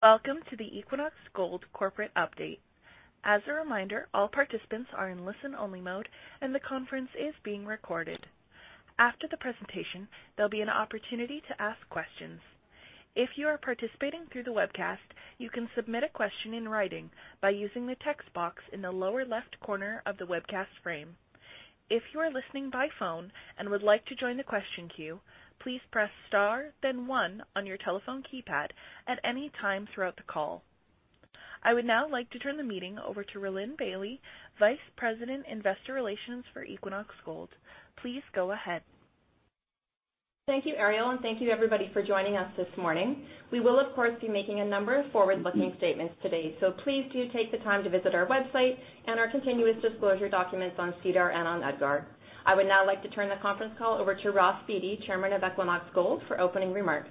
Welcome to the Equinox Gold corporate update. As a reminder, all participants are in listen-only mode, and the conference is being recorded. After the presentation, there'll be an opportunity to ask questions. If you are participating through the webcast, you can submit a question in writing by using the text box in the lower left corner of the webcast frame. If you are listening by phone and would like to join the question queue, please press star, then one on your telephone keypad at any time throughout the call. I would now like to turn the meeting over to Rhylin Bailie, Vice President, Investor Relations for Equinox Gold. Please go ahead. Thank you, Ariel, and thank you everybody for joining us this morning. We will, of course, be making a number of forward-looking statements today, so please do take the time to visit our website and our continuous disclosure documents on SEDAR and on EDGAR. I would now like to turn the conference call over to Ross Beaty, Chairman of Equinox Gold, for opening remarks.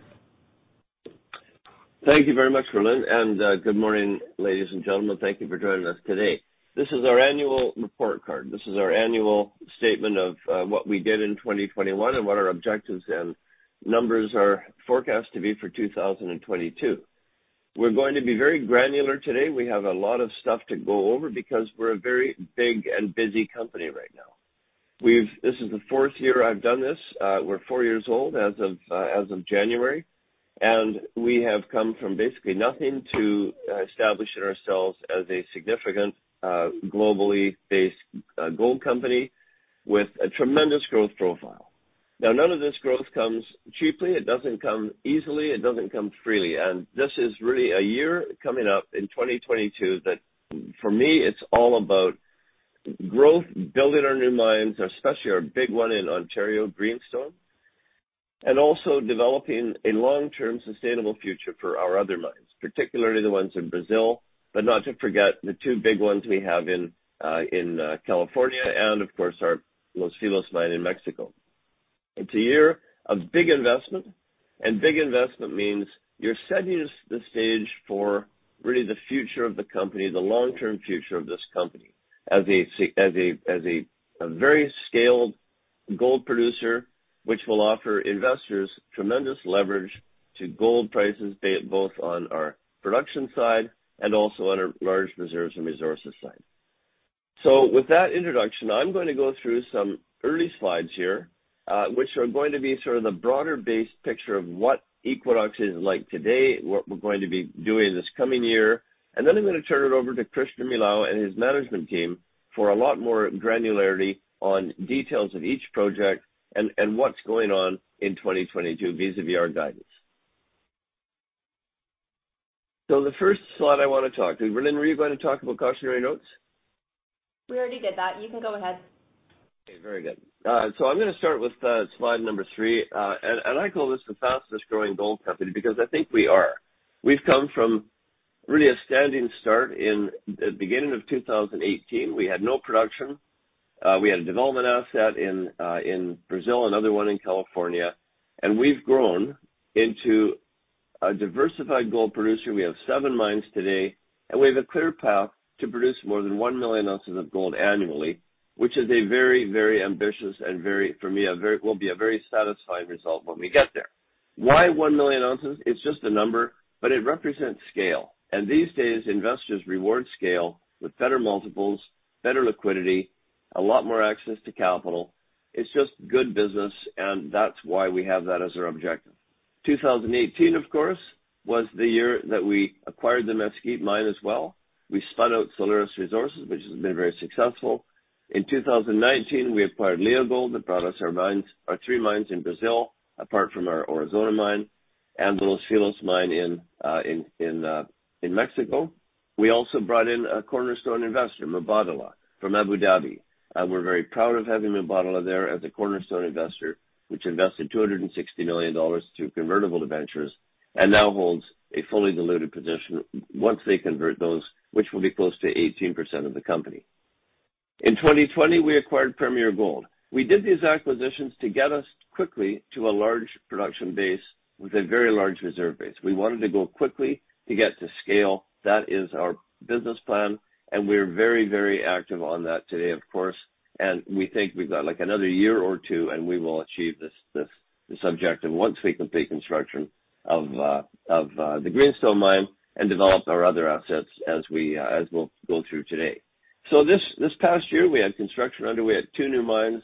Thank you very much, Rhylin, and good morning, ladies and gentlemen. Thank you for joining us today. This is our annual report card. This is our annual statement of what we did in 2021 and what our objectives and numbers are forecast to be for 2022. We're going to be very granular today. We have a lot of stuff to go over because we're a very big and busy company right now. This is the fourth year I've done this. We're four years old as of January, and we have come from basically nothing to establishing ourselves as a significant globally based gold company with a tremendous growth profile. Now, none of this growth comes cheaply. It doesn't come easily. It doesn't come freely. This is really a year coming up in 2022 that, for me, it's all about growth, building our new mines, especially our big one in Ontario, Greenstone, and also developing a long-term sustainable future for our other mines, particularly the ones in Brazil, but not to forget the two big ones we have in California and of course our Los Filos mine in Mexico. It's a year of big investment. Big investment means you're setting the stage for really the future of the company, the long-term future of this company as a very scaled gold producer, which will offer investors tremendous leverage to gold prices, be it both on our production side and also on our large reserves and resources side. With that introduction, I'm gonna go through some early slides here, which are going to be sort of the broader-based picture of what Equinox is like today, what we're going to be doing this coming year. Then I'm gonna turn it over to Christian Milau and his management team for a lot more granularity on details of each project and what's going on in 2022 vis-a-vis our guidance. The first slide I wanna talk to. Rhylin, were you going to talk about cautionary notes? We already did that. You can go ahead. Okay. Very good. I'm gonna start with slide number three. I call this the fastest growing gold company because I think we are. We've come from really a standing start in the beginning of 2018. We had no production. We had a development asset in Brazil, another one in California, and we've grown into a diversified gold producer. We have seven mines today, and we have a clear path to produce more than 1 million ounces of gold annually, which is a very ambitious and, for me, will be a very satisfying result when we get there. Why 1 million ounces? It's just a number, but it represents scale. These days, investors reward scale with better multiples, better liquidity, a lot more access to capital. It's just good business, and that's why we have that as our objective. 2018, of course, was the year that we acquired the Mesquite mine as well. We spun out Solaris Resources, which has been very successful. In 2019, we acquired Leagold that brought us our mines, our three mines in Brazil, apart from our Aurizona mine and the Los Filos mine in Mexico. We also brought in a cornerstone investor, Mubadala, from Abu Dhabi. We're very proud of having Mubadala there as a cornerstone investor, which invested $260 million through convertible debentures and now holds a fully diluted position once they convert those, which will be close to 18% of the company. In 2020, we acquired Premier Gold. We did these acquisitions to get us quickly to a large production base with a very large reserve base. We wanted to go quickly to get to scale. That is our business plan, and we're very, very active on that today, of course. We think we've got like another year or two, and we will achieve this objective once we complete construction of the Greenstone mine and develop our other assets as we'll go through today. This past year, we had construction underway at two new mines,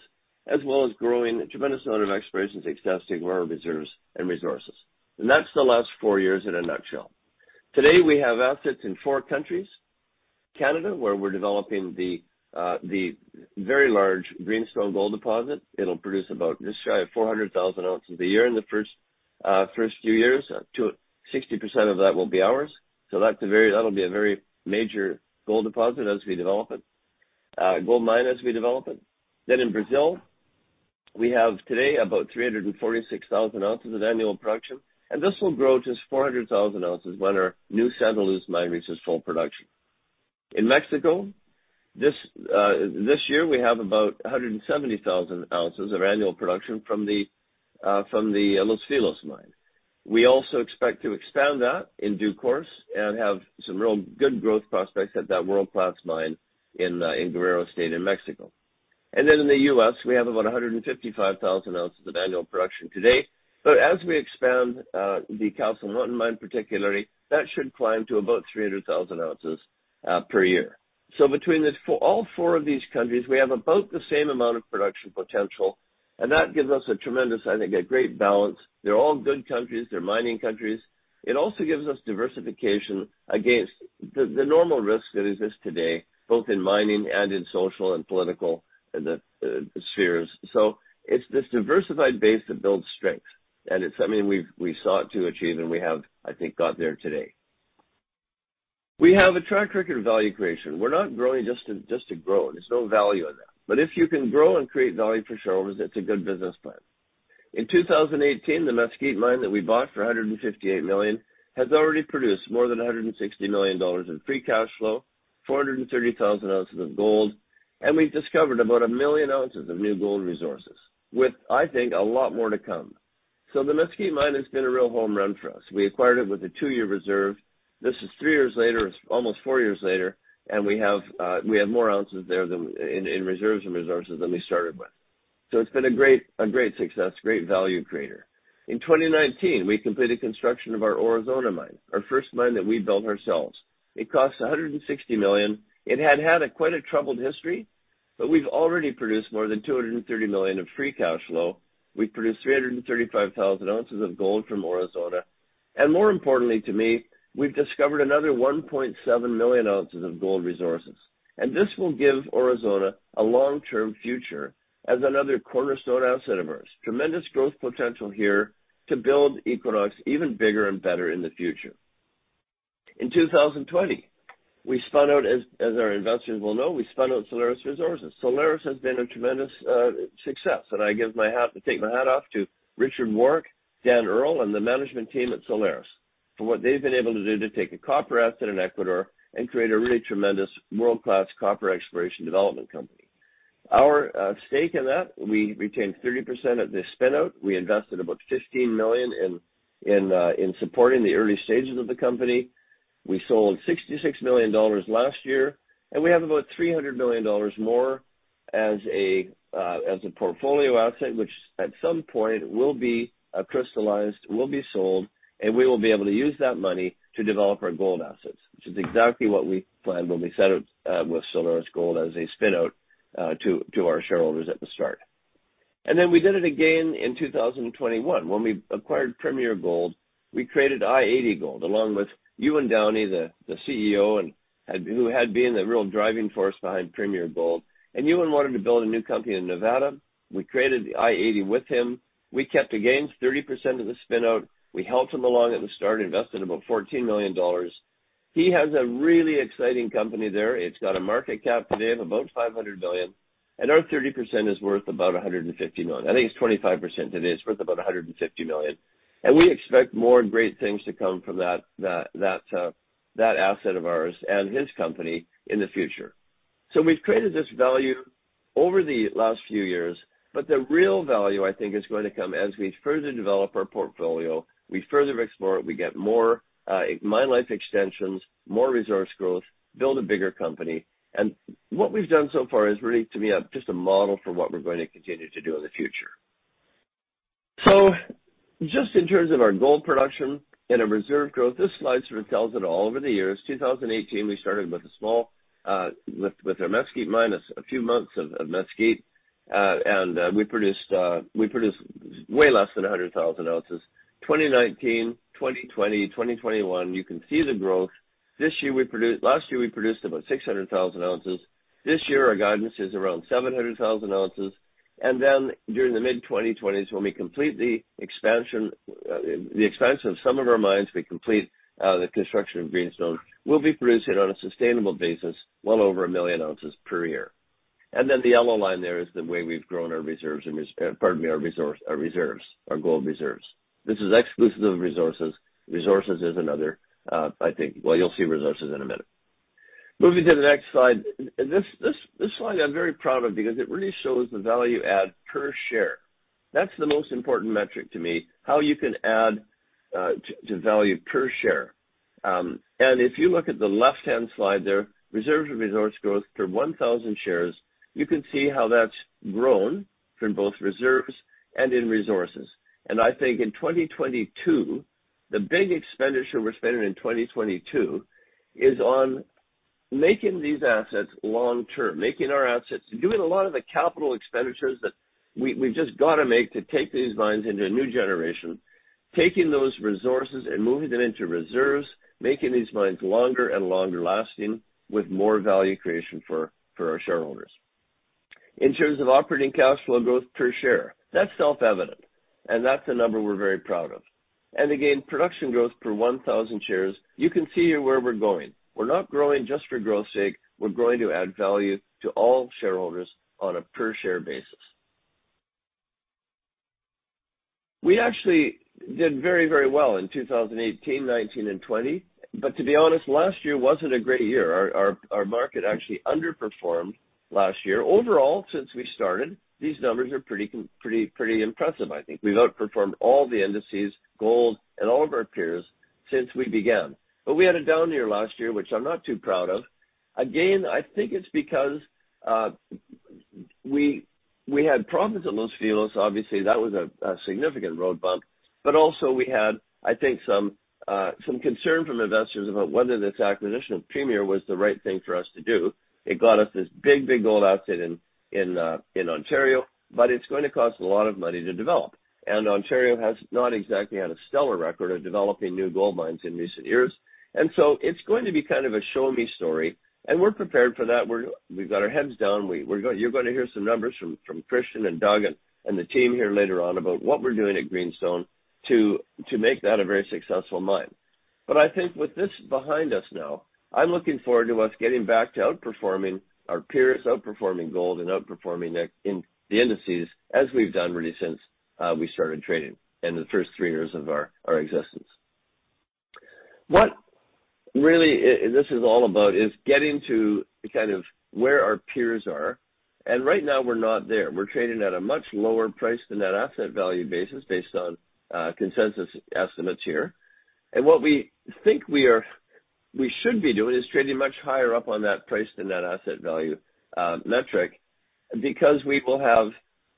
as well as growing a tremendous amount of exploration success to grow our reserves and resources. That's the last four years in a nutshell. Today, we have assets in four countries, Canada, where we're developing the very large Greenstone gold deposit. It'll produce about just shy of 400,000 ounces a year in the first few years. 60% of that will be ours. That's a very major gold deposit as we develop it, gold mine as we develop it. In Brazil, we have today about 346,000 ounces of annual production, and this will grow to 400,000 ounces when our new Santa Luz mine reaches full production. In Mexico, this year, we have about 170,000 ounces of annual production from the Los Filos mine. We also expect to expand that in due course and have some real good growth prospects at that world-class mine in Guerrero State in Mexico. Then in the U.S., we have about 155,000 ounces of annual production today. As we expand, the Castle Mountain mine particularly, that should climb to about 300,000 ounces per year. Between all four of these countries, we have about the same amount of production potential, and that gives us a tremendous, I think, a great balance. They're all good countries. They're mining countries. It also gives us diversification against the normal risks that exist today, both in mining and in social and political spheres. It's this diversified base that builds strength, and it's something we've sought to achieve and we have, I think, got there today. We have a track record of value creation. We're not growing just to grow. There's no value in that. If you can grow and create value for shareholders, that's a good business plan. In 2018, the Mesquite mine that we bought for $158 million has already produced more than $160 million in free cash flow, 430,000 ounces of gold, and we've discovered about 1 million ounces of new gold resources, with, I think, a lot more to come. The Mesquite mine has been a real home run for us. We acquired it with a two-year reserve. This is three years later, almost four years later, and we have more ounces there than we started with in reserves and resources. It's been a great success, great value creator. In 2019, we completed construction of our Aurizona mine, our first mine that we built ourselves. It cost $160 million. It had quite a troubled history, but we've already produced more than $230 million of free cash flow. We've produced 335,000 ounces of gold from Aurizona. More importantly to me, we've discovered another 1.7 million ounces of gold resources. This will give Aurizona a long-term future as another cornerstone asset of ours. Tremendous growth potential here to build Equinox even bigger and better in the future. In 2020, we spun out, as our investors will know, we spun out Solaris Resources. Solaris has been a tremendous success. I give my hat... I take my hat off to Richard Warke, Daniel Earle, and the management team at Solaris for what they've been able to do to take a copper asset in Ecuador and create a really tremendous world-class copper exploration development company. Our stake in that, we retained 30% of the spin-out. We invested about $15 million in supporting the early stages of the company. We sold $66 million last year, and we have about $300 million more as a portfolio asset, which at some point will be crystallized, will be sold, and we will be able to use that money to develop our gold assets, which is exactly what we planned when we set up with Solaris Resources as a spin-out to our shareholders at the start. We did it again in 2021. When we acquired Premier Gold Mines, we created i-80 Gold, along with Ewan Downie, the CEO who had been the real driving force behind Premier Gold Mines. Ewan wanted to build a new company in Nevada. We created the i-80 with him. We kept, again, 30% of the spin-out. We helped him along at the start, invested about $14 million. He has a really exciting company there. It's got a market cap today of about $500 million, and our 30% is worth about $150 million. I think it's 25% today. It's worth about $150 million. We expect more great things to come from that asset of ours and his company in the future. We've created this value over the last few years, but the real value, I think, is going to come as we further develop our portfolio, we further explore it, we get more mine life extensions, more resource growth, build a bigger company. What we've done so far is really, to me, just a model for what we're gonna continue to do in the future. Just in terms of our gold production and our reserve growth, this slide sort of tells it all over the years. 2018, we started with a small with our Mesquite mine, a few months of Mesquite. We produced way less than 100,000 ounces. 2019, 2020, 2021, you can see the growth. This year we produced. Last year, we produced about 600,000 ounces. This year, our guidance is around 700,000 ounces. Then during the mid-2020s, when we complete the expansion of some of our mines, the construction of Greenstone, we'll be producing on a sustainable basis well over 1 million ounces per year. Then the yellow line there is the way we've grown our reserves and resources. Pardon me, our resources, our reserves, our gold reserves. This is exclusive of resources. Resources is another, I think. Well, you'll see resources in a minute. Moving to the next slide. This slide I'm very proud of because it really shows the value add per share. That's the most important metric to me, how you can add to value per share. If you look at the left-hand slide there, reserves and resource growth per 1,000 shares, you can see how that's grown from both reserves and in resources. I think in 2022, the big expenditure we're spending in 2022 is on making these assets long-term, making our assets, doing a lot of the capital expenditures that we've just gotta make to take these mines into a new generation, taking those resources and moving them into reserves, making these mines longer and longer lasting with more value creation for our shareholders. In terms of operating cash flow growth per share, that's self-evident, and that's a number we're very proud of. Again, production growth per 1,000 shares, you can see here where we're going. We're not growing just for growth's sake. We're growing to add value to all shareholders on a per share basis. We actually did very, very well in 2018, 2019, and 2020. To be honest, last year wasn't a great year. Our market actually underperformed last year. Overall, since we started, these numbers are pretty impressive, I think. We've outperformed all the indices, gold, and all of our peers since we began. We had a down year last year, which I'm not too proud of. Again, I think it's because we had problems at Los Filos. Obviously, that was a significant road bump. We also had, I think, some concern from investors about whether this acquisition of Premier was the right thing for us to do. It got us this big, big gold asset in Ontario, but it's going to cost a lot of money to develop. Ontario has not exactly had a stellar record of developing new gold mines in recent years. It's going to be kind of a show me story, and we're prepared for that. We've got our heads down. You're gonna hear some numbers from Christian and Doug and the team here later on about what we're doing at Greenstone to make that a very successful mine. But I think with this behind us now, I'm looking forward to us getting back to outperforming our peers, outperforming gold and outperforming the indices as we've done really since we started trading and the first three years of our existence. What this is really all about is getting to kind of where our peers are. Right now, we're not there. We're trading at a much lower price-to-net asset value basis based on consensus estimates here. What we think we should be doing is trading much higher up on that price-to-net asset value metric because we will have,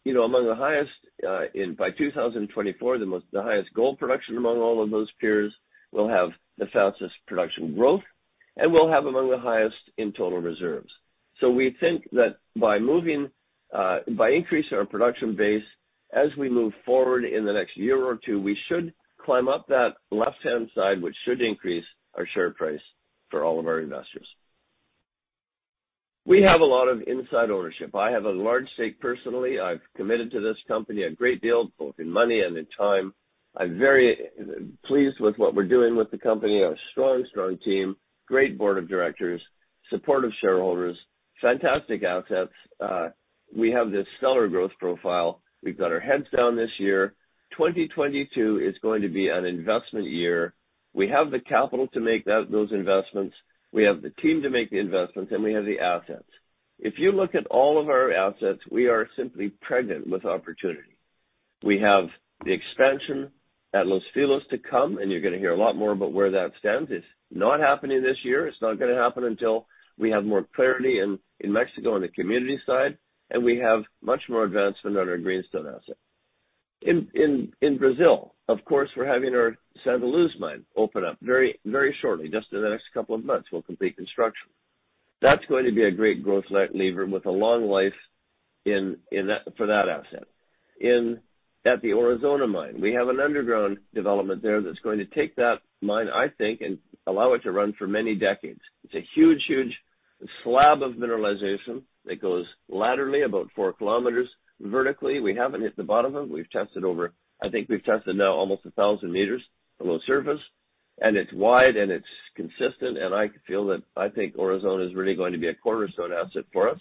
you know, among the highest by 2024, the highest gold production among all of those peers. We'll have the fastest production growth, and we'll have among the highest in total reserves. We think that by increasing our production base as we move forward in the next year or two, we should climb up that left-hand side, which should increase our share price for all of our investors. We have a lot of inside ownership. I have a large stake personally. I've committed to this company a great deal, both in money and in time. I'm very pleased with what we're doing with the company. A strong team, great board of directors, supportive shareholders, fantastic assets. We have this stellar growth profile. We've got our heads down this year. 2022 is going to be an investment year. We have the capital to make that, those investments. We have the team to make the investments, and we have the assets. If you look at all of our assets, we are simply pregnant with opportunity. We have the expansion at Los Filos to come, and you're gonna hear a lot more about where that stands. It's not happening this year. It's not gonna happen until we have more clarity in Mexico on the community side, and we have much more advancement on our Greenstone asset. In Brazil, of course, we're having our Santa Luz mine open up very, very shortly. Just in the next couple of months, we'll complete construction. That's going to be a great growth lever with a long life in that for that asset. In at the Aurizona mine, we have an underground development there that's going to take that mine, I think, and allow it to run for many decades. It's a huge slab of mineralization that goes laterally about 4 km vertically. We haven't hit the bottom of it. We've tested over, I think we've tested now almost 1,000 m below surface, and it's wide, and it's consistent. I feel that, I think Aurizona is really going to be a cornerstone asset for us.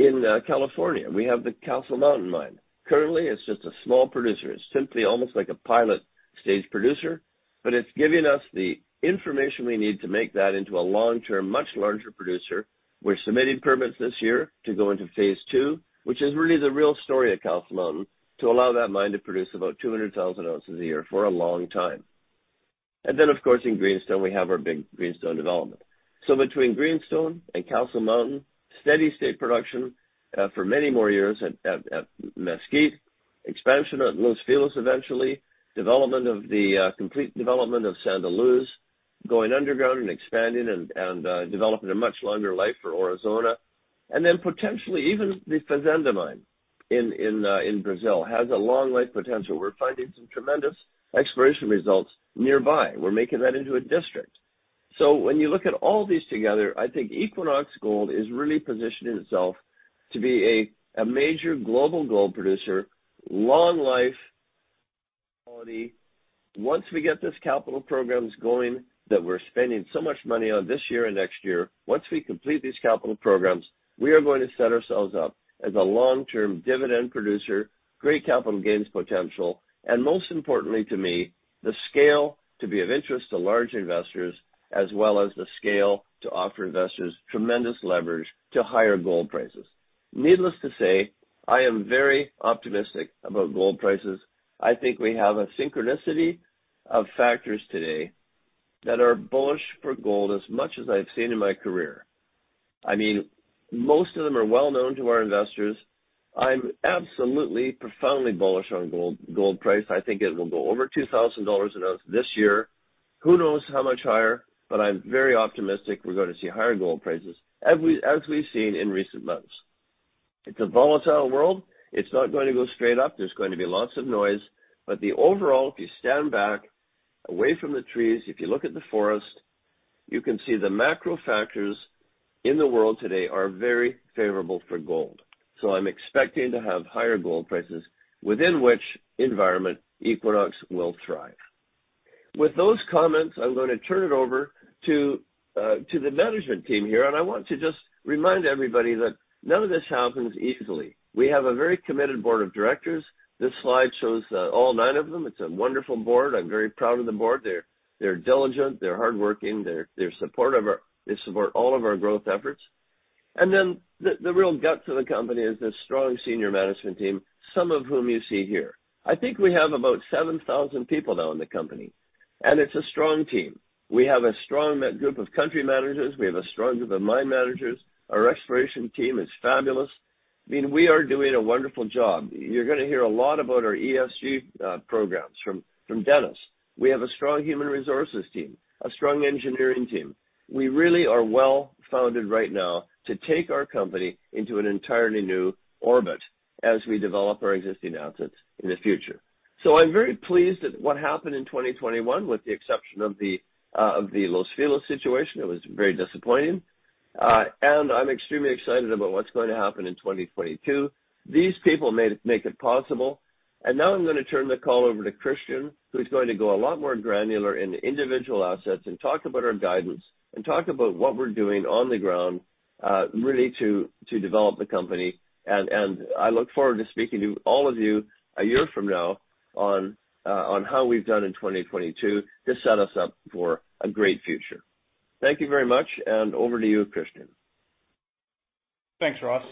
In California, we have the Castle Mountain mine. Currently, it's just a small producer. It's simply almost like a pilot stage producer, but it's giving us the information we need to make that into a long-term, much larger producer. We're submitting permits this year to go into phase II, which is really the real story at Castle Mountain, to allow that mine to produce about 200,000 ounces a year for a long time. Of course, in Greenstone, we have our big Greenstone development. Between Greenstone and Castle Mountain, steady state production for many more years at Mesquite, expansion at Los Filos eventually, development of the complete development of Santa Luz, going underground and expanding and developing a much longer life for Aurizona. Then potentially even the Fazenda mine in Brazil has a long life potential. We're finding some tremendous exploration results nearby. We're making that into a district. When you look at all these together, I think Equinox Gold is really positioning itself to be a major global gold producer, long life quality. Once we get these capital programs going that we're spending so much money on this year and next year, once we complete these capital programs, we are going to set ourselves up as a long-term dividend producer, great capital gains potential, and most importantly to me, the scale to be of interest to large investors as well as the scale to offer investors tremendous leverage to higher gold prices. Needless to say, I am very optimistic about gold prices. I think we have a synchronicity of factors today that are bullish for gold as much as I've seen in my career. I mean, most of them are well known to our investors. I'm absolutely profoundly bullish on gold price. I think it will go over $2,000 an ounce this year. Who knows how much higher? I'm very optimistic we're gonna see higher gold prices as we, as we've seen in recent months. It's a volatile world. It's not going to go straight up. There's going to be lots of noise. The overall, if you stand back away from the trees, if you look at the forest, you can see the macro factors in the world today are very favorable for gold. I'm expecting to have higher gold prices within which environment Equinox will thrive. With those comments, I'm gonna turn it over to the management team here. I want to just remind everybody that none of this happens easily. We have a very committed board of directors. This slide shows all nine of them. It's a wonderful board. I'm very proud of the board. They're diligent, they're hardworking, their support of our... They support all of our growth efforts. The real guts of the company is the strong senior management team, some of whom you see here. I think we have about 7,000 people now in the company, and it's a strong team. We have a strong group of country managers. We have a strong group of mine managers. Our exploration team is fabulous. I mean, we are doing a wonderful job. You're gonna hear a lot about our ESG programs from Dennis. We have a strong human resources team, a strong engineering team. We really are well-founded right now to take our company into an entirely new orbit as we develop our existing assets in the future. I'm very pleased at what happened in 2021, with the exception of the Los Filos situation, it was very disappointing. I'm extremely excited about what's going to happen in 2022. These people make it possible. Now I'm gonna turn the call over to Christian, who's going to go a lot more granular into individual assets and talk about our guidance and talk about what we're doing on the ground, really to develop the company. I look forward to speaking to all of you a year from now on how we've done in 2022 to set us up for a great future. Thank you very much, and over to you, Christian. Thanks, Ross.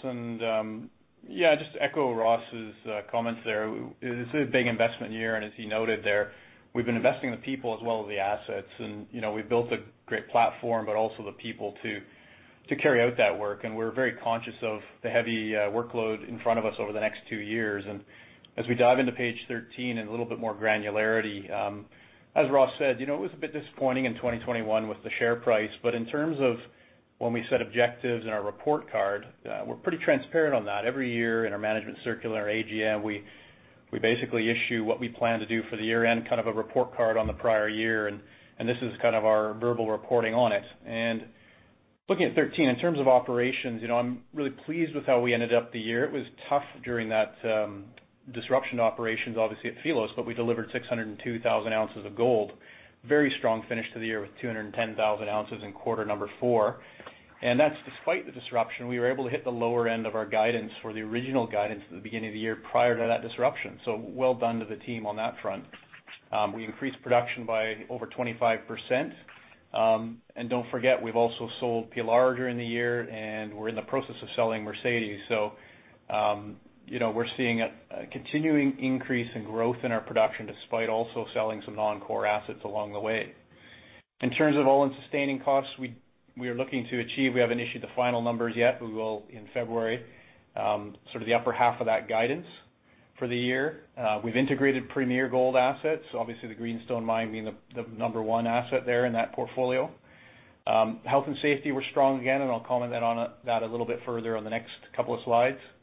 Yeah, just to echo Ross's comments there, this is a big investment year, and as he noted there, we've been investing in the people as well as the assets. You know, we've built a great platform, but also the people to carry out that work. We're very conscious of the heavy workload in front of us over the next two years. As we dive into page 13 in a little bit more granularity, as Ross said, you know, it was a bit disappointing in 2021 with the share price. In terms of when we set objectives in our report card, we're pretty transparent on that. Every year in our management circular, AGM, we basically issue what we plan to do for the year-end, kind of a report card on the prior year, and this is kind of our verbal reporting on it. Looking at 2023, in terms of operations, you know, I'm really pleased with how we ended up the year. It was tough during that disruption to operations, obviously at Los Filos, but we delivered 602,000 ounces of gold. Very strong finish to the year with 210,000 ounces in quarter number four. That's despite the disruption, we were able to hit the lower end of our guidance for the original guidance at the beginning of the year prior to that disruption. Well done to the team on that front. We increased production by over 25%. Don't forget, we've also sold Pilar during the year, and we're in the process of selling Mercedes. You know, we're seeing a continuing increase in growth in our production despite also selling some non-core assets along the way. In terms of all-in sustaining costs, we are looking to achieve. We haven't issued the final numbers yet, but we will in February, sort of the upper half of that guidance for the year. We've integrated Premier Gold assets, obviously the Greenstone mine being the number one asset there in that portfolio. Health and safety, we're strong again, and I'll comment on that a little bit further on the next couple of slides. In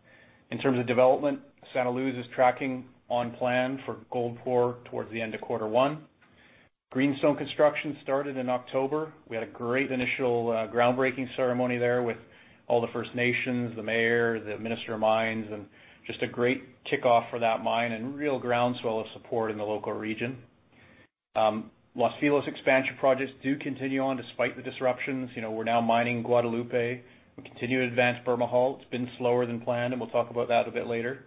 terms of development, Santa Luz is tracking on plan for gold pour towards the end of quarter one. Greenstone construction started in October. We had a great initial groundbreaking ceremony there with all the First Nations, the mayor, the Minister of Mines, and just a great kickoff for that mine and real groundswell of support in the local region. Los Filos expansion projects do continue on despite the disruptions. You know, we're now mining Guadalupe. We continue to advance Bermejal. It's been slower than planned, and we'll talk about that a bit later.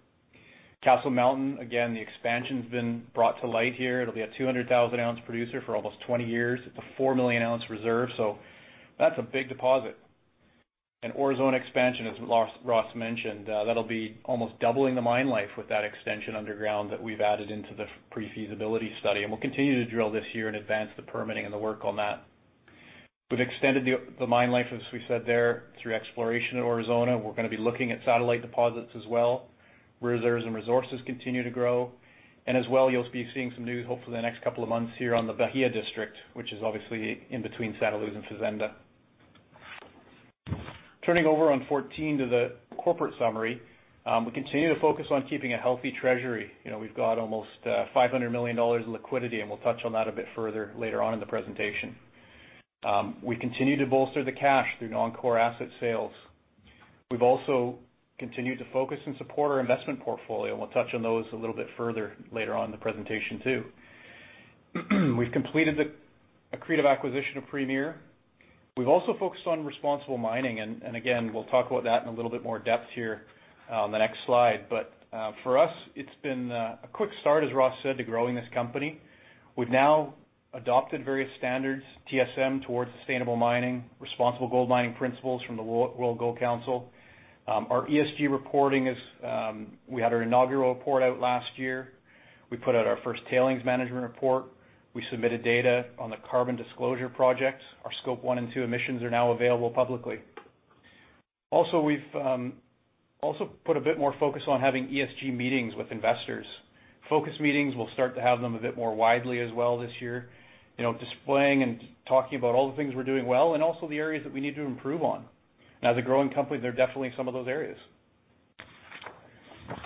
Castle Mountain, again, the expansion's been brought to light here. It'll be a 200,000-ounce producer for almost 20 years. It's a 4 million-ounce reserve, so that's a big deposit. Aurizona expansion, as Ross mentioned, that'll be almost doubling the mine life with that extension underground that we've added into the pre-feasibility study. We'll continue to drill this year and advance the permitting and the work on that. We've extended the mine life, as we said there, through exploration at Aurizona. We're gonna be looking at satellite deposits as well. Reserves and resources continue to grow. As well, you'll be seeing some news, hopefully in the next couple of months here on the Bahia District, which is obviously in between Santa Luz and Fazenda. Turning over on 14 to the corporate summary, we continue to focus on keeping a healthy treasury. You know, we've got almost $500 million in liquidity, and we'll touch on that a bit further later on in the presentation. We continue to bolster the cash through non-core asset sales. We've also continued to focus and support our investment portfolio, and we'll touch on those a little bit further later on in the presentation too. We've completed the accretive acquisition of Premier. We've also focused on responsible mining, and again, we'll talk about that in a little bit more depth here on the next slide. For us, it's been a quick start, as Ross said, to growing this company. We've now adopted various standards, TSM, Towards Sustainable Mining, Responsible Gold Mining Principles from the World Gold Council. Our ESG reporting is we had our inaugural report out last year. We put out our first tailings management report. We submitted data on the Carbon Disclosure Project. Our Scope 1 and 2 emissions are now available publicly. Also, we've also put a bit more focus on having ESG meetings with investors. Focus meetings, we'll start to have them a bit more widely as well this year. You know, displaying and talking about all the things we're doing well and also the areas that we need to improve on. As a growing company, there are definitely some of those areas.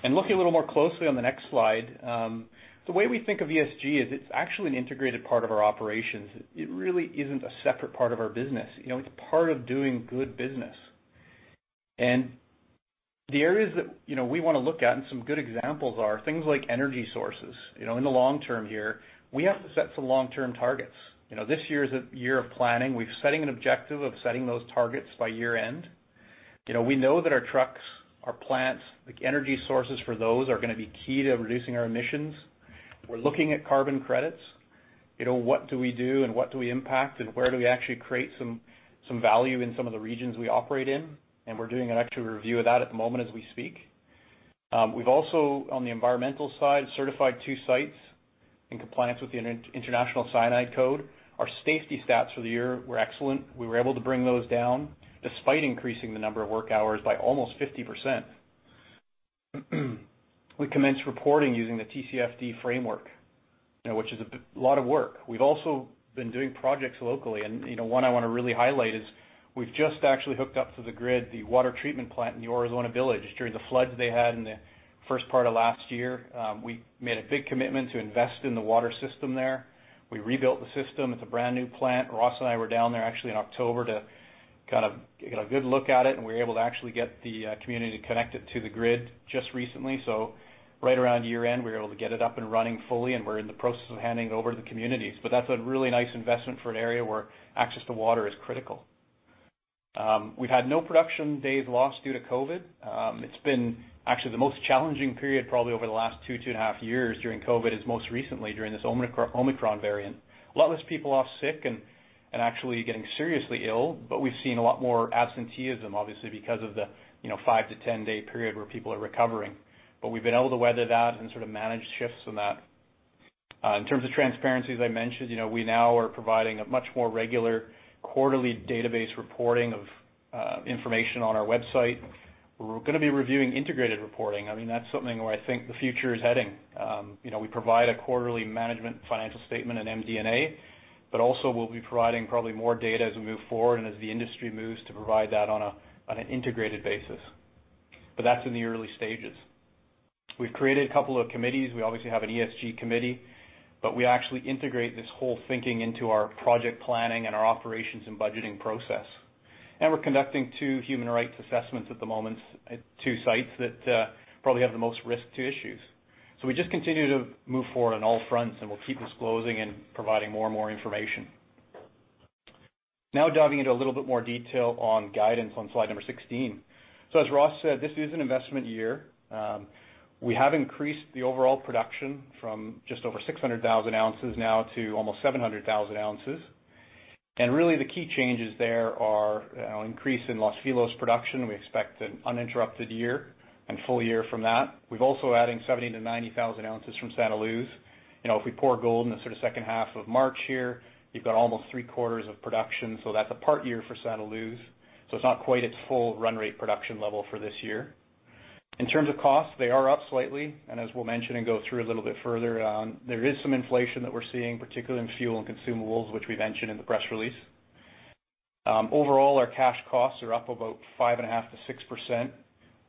Looking a little more closely on the next slide, the way we think of ESG is it's actually an integrated part of our operations. It really isn't a separate part of our business. You know, it's part of doing good business. The areas that, you know, we wanna look at and some good examples are things like energy sources. You know, in the long term here, we have to set some long-term targets. You know, this year is a year of planning. We're setting an objective of setting those targets by year-end. You know, we know that our trucks, our plants, like energy sources for those are gonna be key to reducing our emissions. We're looking at carbon credits. You know, what do we do and what do we impact, and where do we actually create some value in some of the regions we operate in? We're doing an actual review of that at the moment as we speak. We've also, on the environmental side, certified two sites in compliance with the International Cyanide Code. Our safety stats for the year were excellent. We were able to bring those down despite increasing the number of work hours by almost 50%. We commenced reporting using the TCFD framework, you know, which is a lot of work. We've also been doing projects locally, and, you know, one I wanna really highlight is we've just actually hooked up to the grid, the water treatment plant in the Aurizona Village. During the floods they had in the first part of last year, we made a big commitment to invest in the water system there. We rebuilt the system. It's a brand-new plant. Ross and I were down there actually in October to kind of get a good look at it, and we were able to actually get the community connected to the grid just recently. Right around year-end, we were able to get it up and running fully, and we're in the process of handing it over to the communities. That's a really nice investment for an area where access to water is critical. We've had no production days lost due to COVID. It's been actually the most challenging period probably over the last 2.5 years during COVID, is most recently during this Omicron variant. A lot less people off sick and actually getting seriously ill, but we've seen a lot more absenteeism, obviously, because of the, you know, five to 10-day period where people are recovering. We've been able to weather that and sort of manage shifts in that. In terms of transparency, as I mentioned, you know, we now are providing a much more regular quarterly database reporting of information on our website. We're gonna be reviewing integrated reporting. I mean, that's something where I think the future is heading. You know, we provide a quarterly management financial statement in MD&A, but also we'll be providing probably more data as we move forward and as the industry moves to provide that on an integrated basis. But that's in the early stages. We've created a couple of committees. We obviously have an ESG committee, but we actually integrate this whole thinking into our project planning and our operations and budgeting process. We're conducting two human rights assessments at the moment at two sites that probably have the most risk to issues. We just continue to move forward on all fronts, and we'll keep disclosing and providing more and more information. Now diving into a little bit more detail on guidance on slide number 16. As Ross said, this is an investment year. We have increased the overall production from just over 600,000 ounces now to almost 700,000 ounces. Really the key changes there are an increase in Los Filos production. We expect an uninterrupted year and full year from that. We're also adding 70,000-90,000 ounces from Santa Luz. You know, if we pour gold in the sort of second half of March here, you've got almost three-quarters of production, so that's a part year for Santa Luz, so it's not quite its full run rate production level for this year. In terms of costs, they are up slightly, and as we'll mention and go through a little bit further, there is some inflation that we're seeing, particularly in fuel and consumables, which we've mentioned in the press release. Overall, our cash costs are up about 5.5%-6%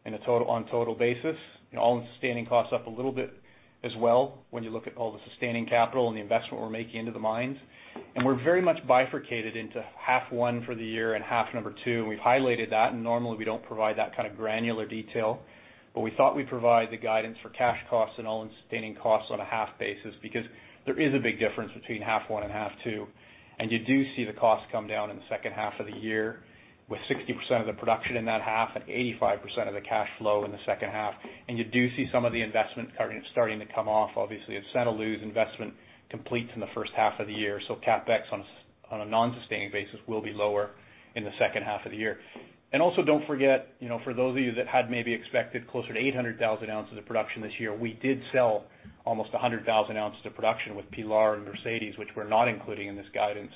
on a total basis, and all-in sustaining costs up a little bit as well when you look at all the sustaining capital and the investment we're making into the mines. We're very much bifurcated into half one for the year and half number two, and we've highlighted that, and normally we don't provide that kind of granular detail. We thought we'd provide the guidance for cash costs and all-in sustaining costs on a half basis because there is a big difference between half one and half two. You do see the costs come down in the second half of the year with 60% of the production in that half and 85% of the cash flow in the second half. You do see some of the investments starting to come off, obviously, as Santa Luz investment completes in the first half of the year. CapEx on a non-sustaining basis will be lower in the second half of the year. Also don't forget, you know, for those of you that had maybe expected closer to 800,000 ounces of production this year, we did sell almost 100,000 ounces of production with Pilar and Mercedes, which we're not including in this guidance.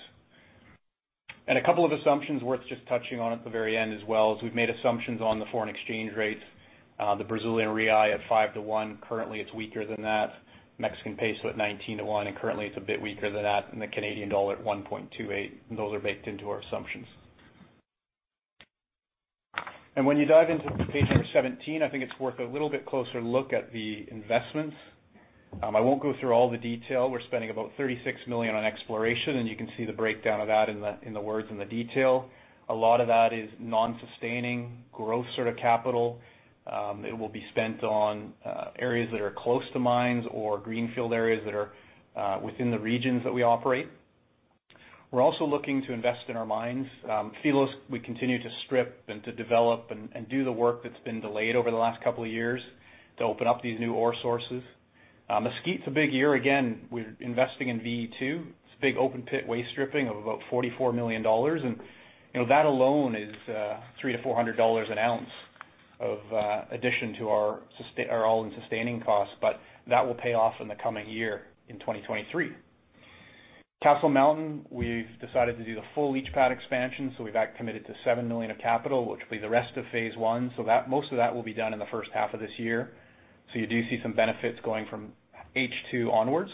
A couple of assumptions worth just touching on at the very end as well is we've made assumptions on the foreign exchange rates, the Brazilian real at five to one. Currently, it's weaker than that. Mexican peso at 19 to one, and currently it's a bit weaker than that. The Canadian dollar at 1.28, and those are baked into our assumptions. When you dive into page 17, I think it's worth a little bit closer look at the investments. I won't go through all the detail. We're spending about $36 million on exploration, and you can see the breakdown of that in the wording in the detail. A lot of that is non-sustaining growth sort of capital. It will be spent on areas that are close to mines or greenfield areas that are within the regions that we operate. We're also looking to invest in our mines. Los Filos, we continue to strip and to develop and do the work that's been delayed over the last couple of years to open up these new ore sources. Mesquite's a big year. Again, we're investing in VE2. It's a big open pit waste stripping of about $44 million, and, you know, that alone is $300-$400 an ounce of addition to our all-in sustaining costs, but that will pay off in the coming year in 2023. Castle Mountain, we've decided to do the full leach pad expansion, so we've committed to $7 million of capital, which will be the rest of phase I. Most of that will be done in the first half of this year, so you do see some benefits going from H2 onwards.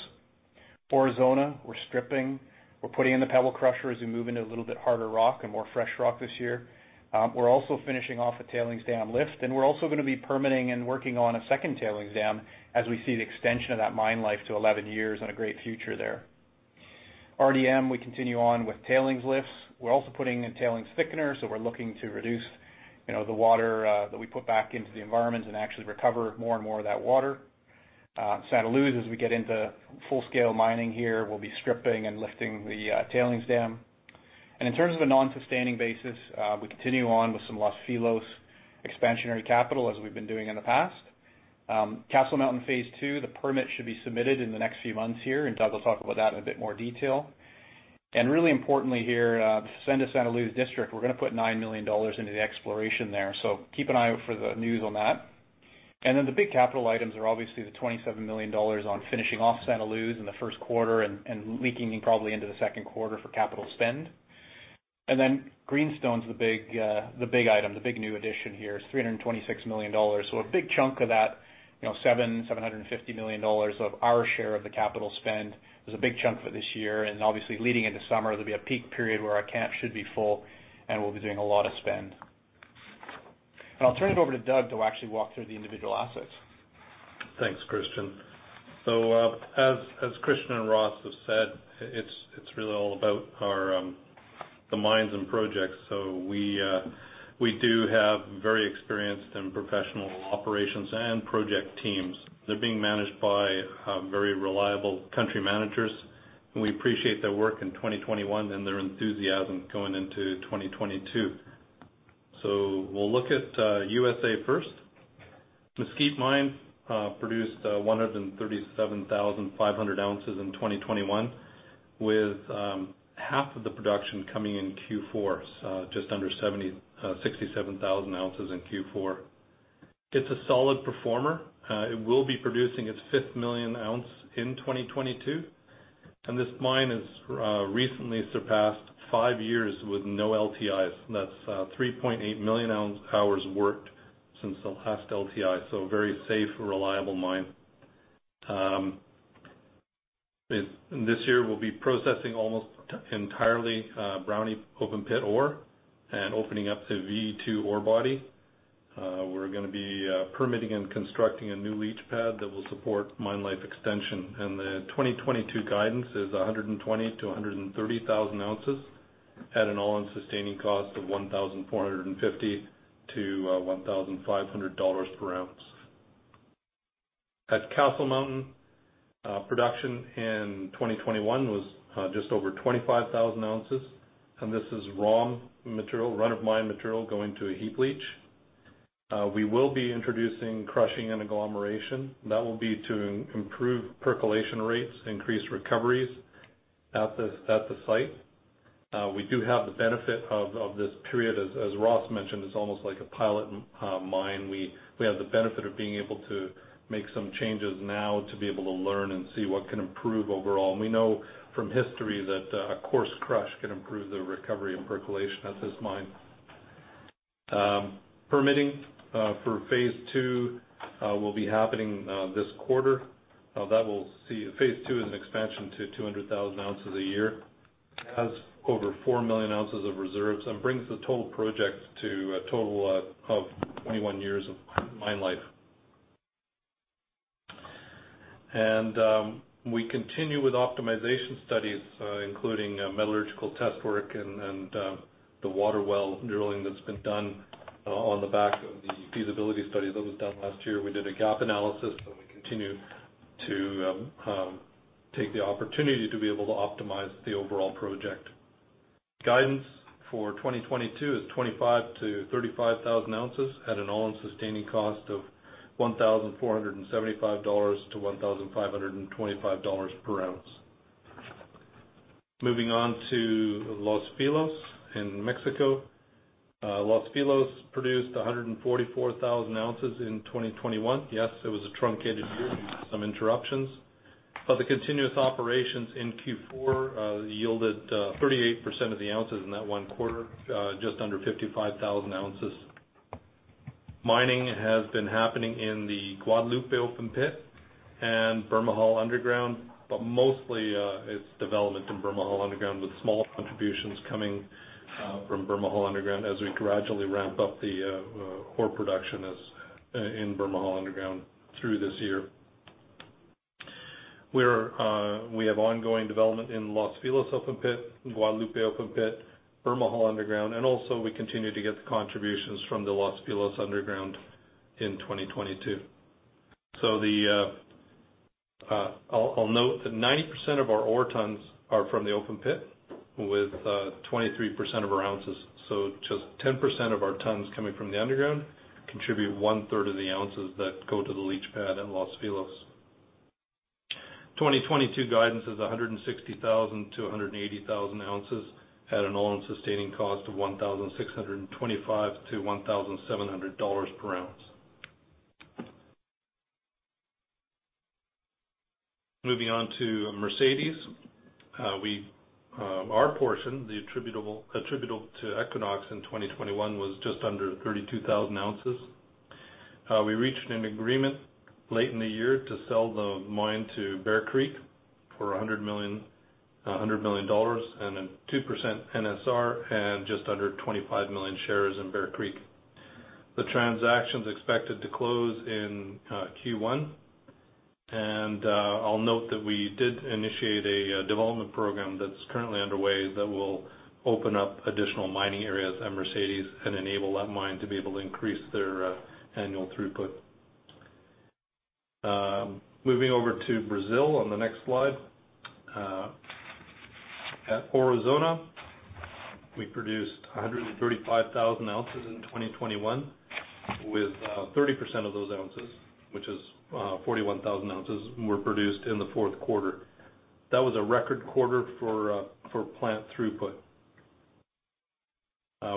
Aurizona, we're stripping. We're putting in the pebble crusher as we move into a little bit harder rock and more fresh rock this year. We're also finishing off a tailings dam lift, and we're also gonna be permitting and working on a second tailings dam as we see the extension of that mine life to 11 years and a great future there. RDM, we continue on with tailings lifts. We're also putting in tailings thickeners, so we're looking to reduce, you know, the water that we put back into the environment and actually recover more and more of that water. Santa Luz, as we get into full-scale mining here, we'll be stripping and lifting the tailings dam. In terms of a non-sustaining basis, we continue on with some Los Filos expansionary capital as we've been doing in the past. Castle Mountain phase II, the permit should be submitted in the next few months here, and Doug will talk about that in a bit more detail. Really importantly here, the Fazenda-Santa Luz district, we're gonna put $9 million into the exploration there. Keep an eye out for the news on that. Then the big capital items are obviously the $27 million on finishing off Santa Luz in the first quarter and bleeding in probably into the second quarter for capital spend. Then Greenstone's the big item, the big new addition here. It's $326 million. A big chunk of that, you know, $750 million of our share of the capital spend. There's a big chunk for this year, and obviously leading into summer, there'll be a peak period where our camp should be full, and we'll be doing a lot of spend. I'll turn it over to Doug to actually walk through the individual assets. Thanks, Christian. As Christian and Ross have said, it's really all about our mines and projects. We do have very experienced and professional operations and project teams. They're being managed by very reliable country managers, and we appreciate their work in 2021 and their enthusiasm going into 2022. We'll look at U.S. first. Mesquite Mine produced 137,500 ounces in 2021, with half of the production coming in Q4, just under 67,000 ounces in Q4. It's a solid performer. It will be producing its 5 millionth ounce in 2022. This mine has recently surpassed five years with no LTIs. That's 3.8 million hours worked since the last LTI, a very safe and reliable mine. This year, we'll be processing almost entirely Brownie open pit ore and opening up the VE2 ore body. We're gonna be permitting and constructing a new leach pad that will support mine life extension. The 2022 guidance is 120,000-130,000 ounces at an all-in sustaining cost of $1,450-$1,500 per ounce. At Castle Mountain, production in 2021 was just over 25,000 ounces, and this is raw material, run of mine material going to a heap leach. We will be introducing crushing and agglomeration. That will be to improve percolation rates, increase recoveries at the site. We do have the benefit of this period. As Ross mentioned, it's almost like a pilot mine. We have the benefit of being able to make some changes now to be able to learn and see what can improve overall. We know from history that a coarse crush can improve the recovery and percolation at this mine. Permitting for phase II will be happening this quarter. That will see phase II is an expansion to 200,000 ounces a year. It has over 4 million ounces of reserves and brings the total project to a total of 21 years of mine life. We continue with optimization studies, including metallurgical test work and the water well drilling that's been done on the back of the feasibility study that was done last year. We did a gap analysis, and we continue to take the opportunity to be able to optimize the overall project. Guidance for 2022 is 25,000-35,000 ounces at an all-in sustaining cost of $1,475-$1,525 per ounce. Moving on to Los Filos in Mexico. Los Filos produced 144,000 ounces in 2021. Yes, it was a truncated year due to some interruptions. The continuous operations in Q4 yielded 38% of the ounces in that one quarter, just under 55,000 ounces. Mining has been happening in the Guadalupe open pit and Bermejal underground, but mostly it's development in Bermejal underground, with small contributions coming from Bermejal underground as we gradually ramp up the ore production as in Bermejal underground through this year. We have ongoing development in Los Filos open pit, Guadalupe open pit, Bermejal underground, and also we continue to get the contributions from the Los Filos underground in 2022. I'll note that 90% of our ore tons are from the open pit with 23% of our ounces. Just 10% of our tons coming from the underground contribute one-third of the ounces that go to the leach pad at Los Filos. 2022 guidance is 160,000-180,000 ounces at an all-in sustaining cost of $1,625-$1,700 per ounce. Moving on to Mercedes. Our portion, the attributable to Equinox in 2021 was just under 32,000 ounces. We reached an agreement late in the year to sell the mine to Bear Creek for $100 million, a 2% NSR and just under 25 million shares in Bear Creek. The transaction's expected to close in Q1, and I'll note that we did initiate a development program that's currently underway that will open up additional mining areas at Mercedes and enable that mine to be able to increase their annual throughput. Moving over to Brazil on the next slide. At Aurizona, we produced 135,000 ounces in 2021, with 30% of those ounces, which is 41,000 ounces were produced in the fourth quarter. That was a record quarter for plant throughput.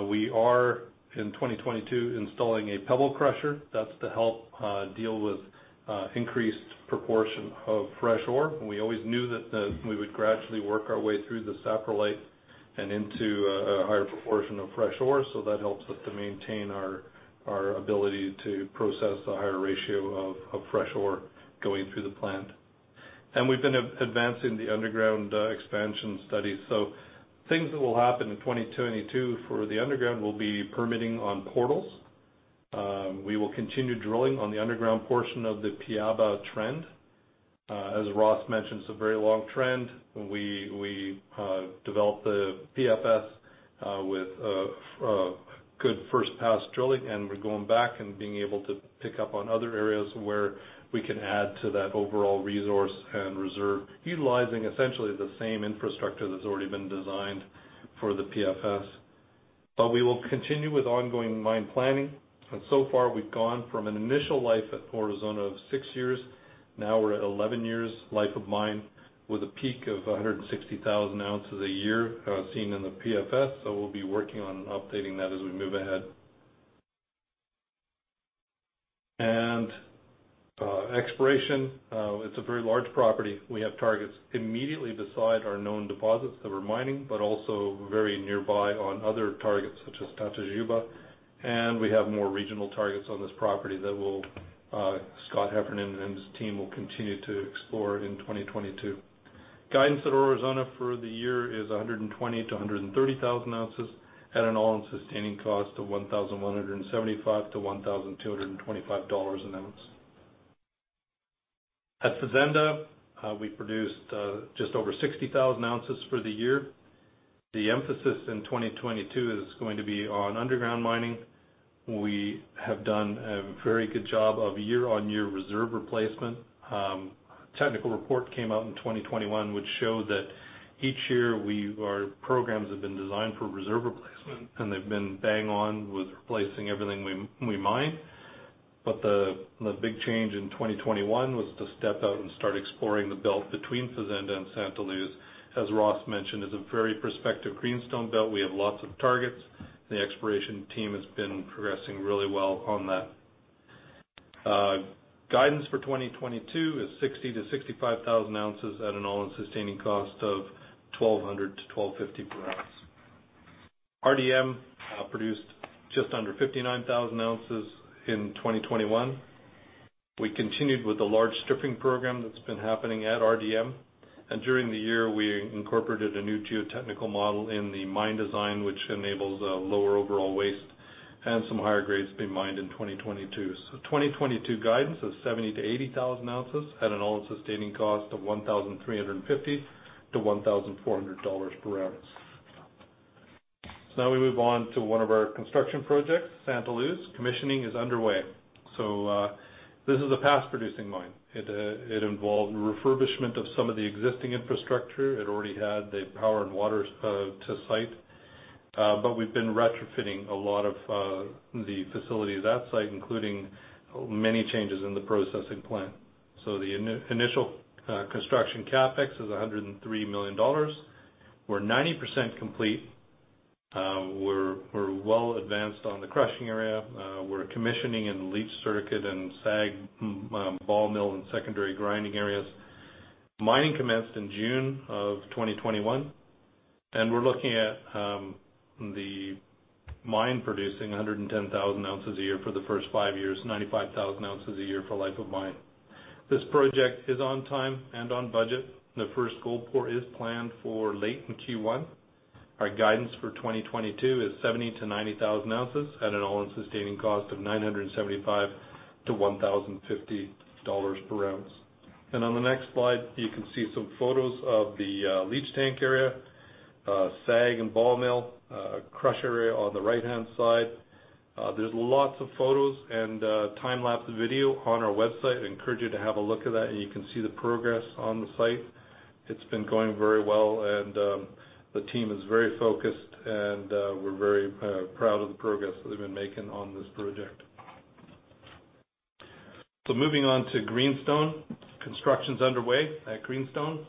We are in 2022 installing a pebble crusher, that's to help deal with increased proportion of fresh ore. We always knew that we would gradually work our way through the saprolite and into a higher proportion of fresh ore. That helps us to maintain our ability to process the higher ratio of fresh ore going through the plant. We've been advancing the underground expansion studies. Things that will happen in 2022 for the underground will be permitting on portals. We will continue drilling on the underground portion of the Piaba trend. As Ross mentioned, it's a very long trend. We developed the PFS with good first pass drilling, and we're going back and being able to pick up on other areas where we can add to that overall resource and reserve, utilizing essentially the same infrastructure that's already been designed for the PFS. We will continue with ongoing mine planning. So far, we've gone from an initial life at Aurizona of six years. Now we're at 11 years life of mine, with a peak of 160,000 ounces a year, seen in the PFS. We'll be working on updating that as we move ahead. Exploration, it's a very large property. We have targets immediately beside our known deposits that we're mining, but also very nearby on other targets such as Tatajuba. We have more regional targets on this property that Scott Heffernan and his team will continue to explore in 2022. Guidance at Aurizona for the year is 120,000-130,000 ounces, at an all-in sustaining cost of $1,175-$1,225 an ounce. At Fazenda, we produced just over 60,000 ounces for the year. The emphasis in 2022 is going to be on underground mining. We have done a very good job of year-on-year reserve replacement. Technical report came out in 2021, which showed that each year our programs have been designed for reserve replacement, and they've been bang on with replacing everything we mine. The big change in 2021 was to step out and start exploring the belt between Fazenda and Santa Luz. As Ross mentioned, it's a very prospective greenstone belt. We have lots of targets. The exploration team has been progressing really well on that. Guidance for 2022 is 60,000-65,000 ounces at an all-in sustaining cost of $1,200-$1,250 per ounce. RDM produced just under 59,000 ounces in 2021. We continued with the large stripping program that's been happening at RDM. During the year, we incorporated a new geotechnical model in the mine design, which enables lower overall waste and some higher grades to be mined in 2022. 2022 guidance is 70,000-80,000 ounces at an all-in sustaining cost of $1,350-$1,400 per ounce. Now we move on to one of our construction projects, Santa Luz. Commissioning is underway. This is a past producing mine. It involved refurbishment of some of the existing infrastructure. It already had the power and water to site. But we've been retrofitting a lot of the facilities at site, including many changes in the processing plant. The initial construction CapEx is $103 million. We're 90% complete. We're well advanced on the crushing area. We're commissioning in-leach circuit and SAG, ball mill and secondary grinding areas. Mining commenced in June of 2021, and we're looking at the mine producing 110,000 ounces a year for the first five years, 95,000 ounces a year for life of mine. This project is on time and on budget. The first gold pour is planned for late in Q1. Our guidance for 2022 is 70,000-90,000 ounces at an all-in sustaining cost of $975-$1,050 per ounce. On the next slide, you can see some photos of the leach tank area, SAG and ball mill, crush area on the right-hand side. There's lots of photos and time-lapse video on our website. I encourage you to have a look at that, and you can see the progress on the site. It's been going very well and, the team is very focused and, we're very proud of the progress that they've been making on this project. Moving on to Greenstone. Construction's underway at Greenstone.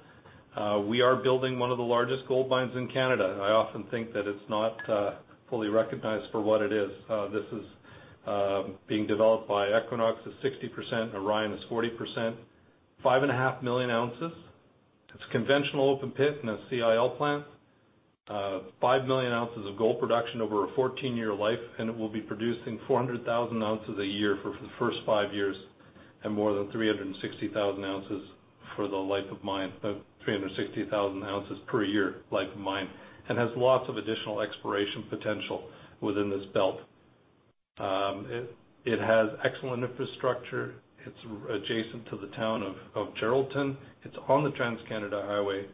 We are building one of the largest gold mines in Canada. I often think that it's not fully recognized for what it is. This is being developed by Equinox. It's 60%, Orion is 40%, 5.5 million ounces. It's a conventional open pit and a CIL plant. 5 million ounces of gold production over a 14-year life, and it will be producing 400,000 ounces a year for the first five years, and more than 360,000 ounces for the life of mine. 360,000 ounces per year life of mine. Has lots of additional exploration potential within this belt. It has excellent infrastructure. It's adjacent to the town of Geraldton. It's on the Trans-Canada Highway.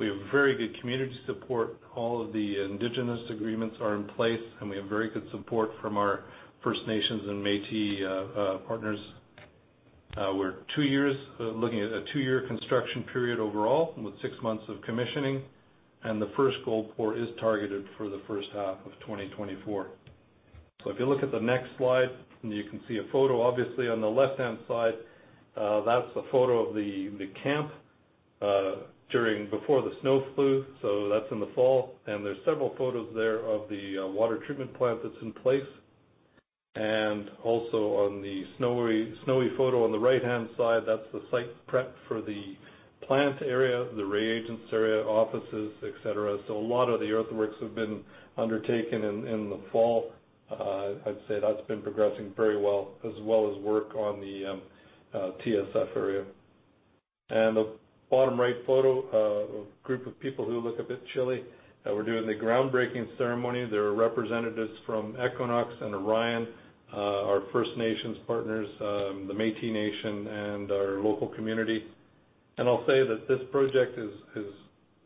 We have very good community support. All of the Indigenous agreements are in place, and we have very good support from our First Nations and Métis partners. We're looking at atwo-year construction period overall, and with six months of commissioning, and the first gold pour is targeted for the first half of 2024. If you look at the next slide, and you can see a photo, obviously, on the left-hand side. That's a photo of the camp before the snow flew, so that's in the fall. There's several photos there of the water treatment plant that's in place. Also on the snowy photo on the right-hand side, that's the site prep for the plant area, the reagents area, offices, et cetera. A lot of the earthworks have been undertaken in the fall. I'd say that's been progressing very well, as well as work on the TSF area. The bottom right photo, a group of people who look a bit chilly, we're doing the groundbreaking ceremony. There are representatives from Equinox and Orion, our First Nations partners, the Métis Nation and our local community. I'll say that this project is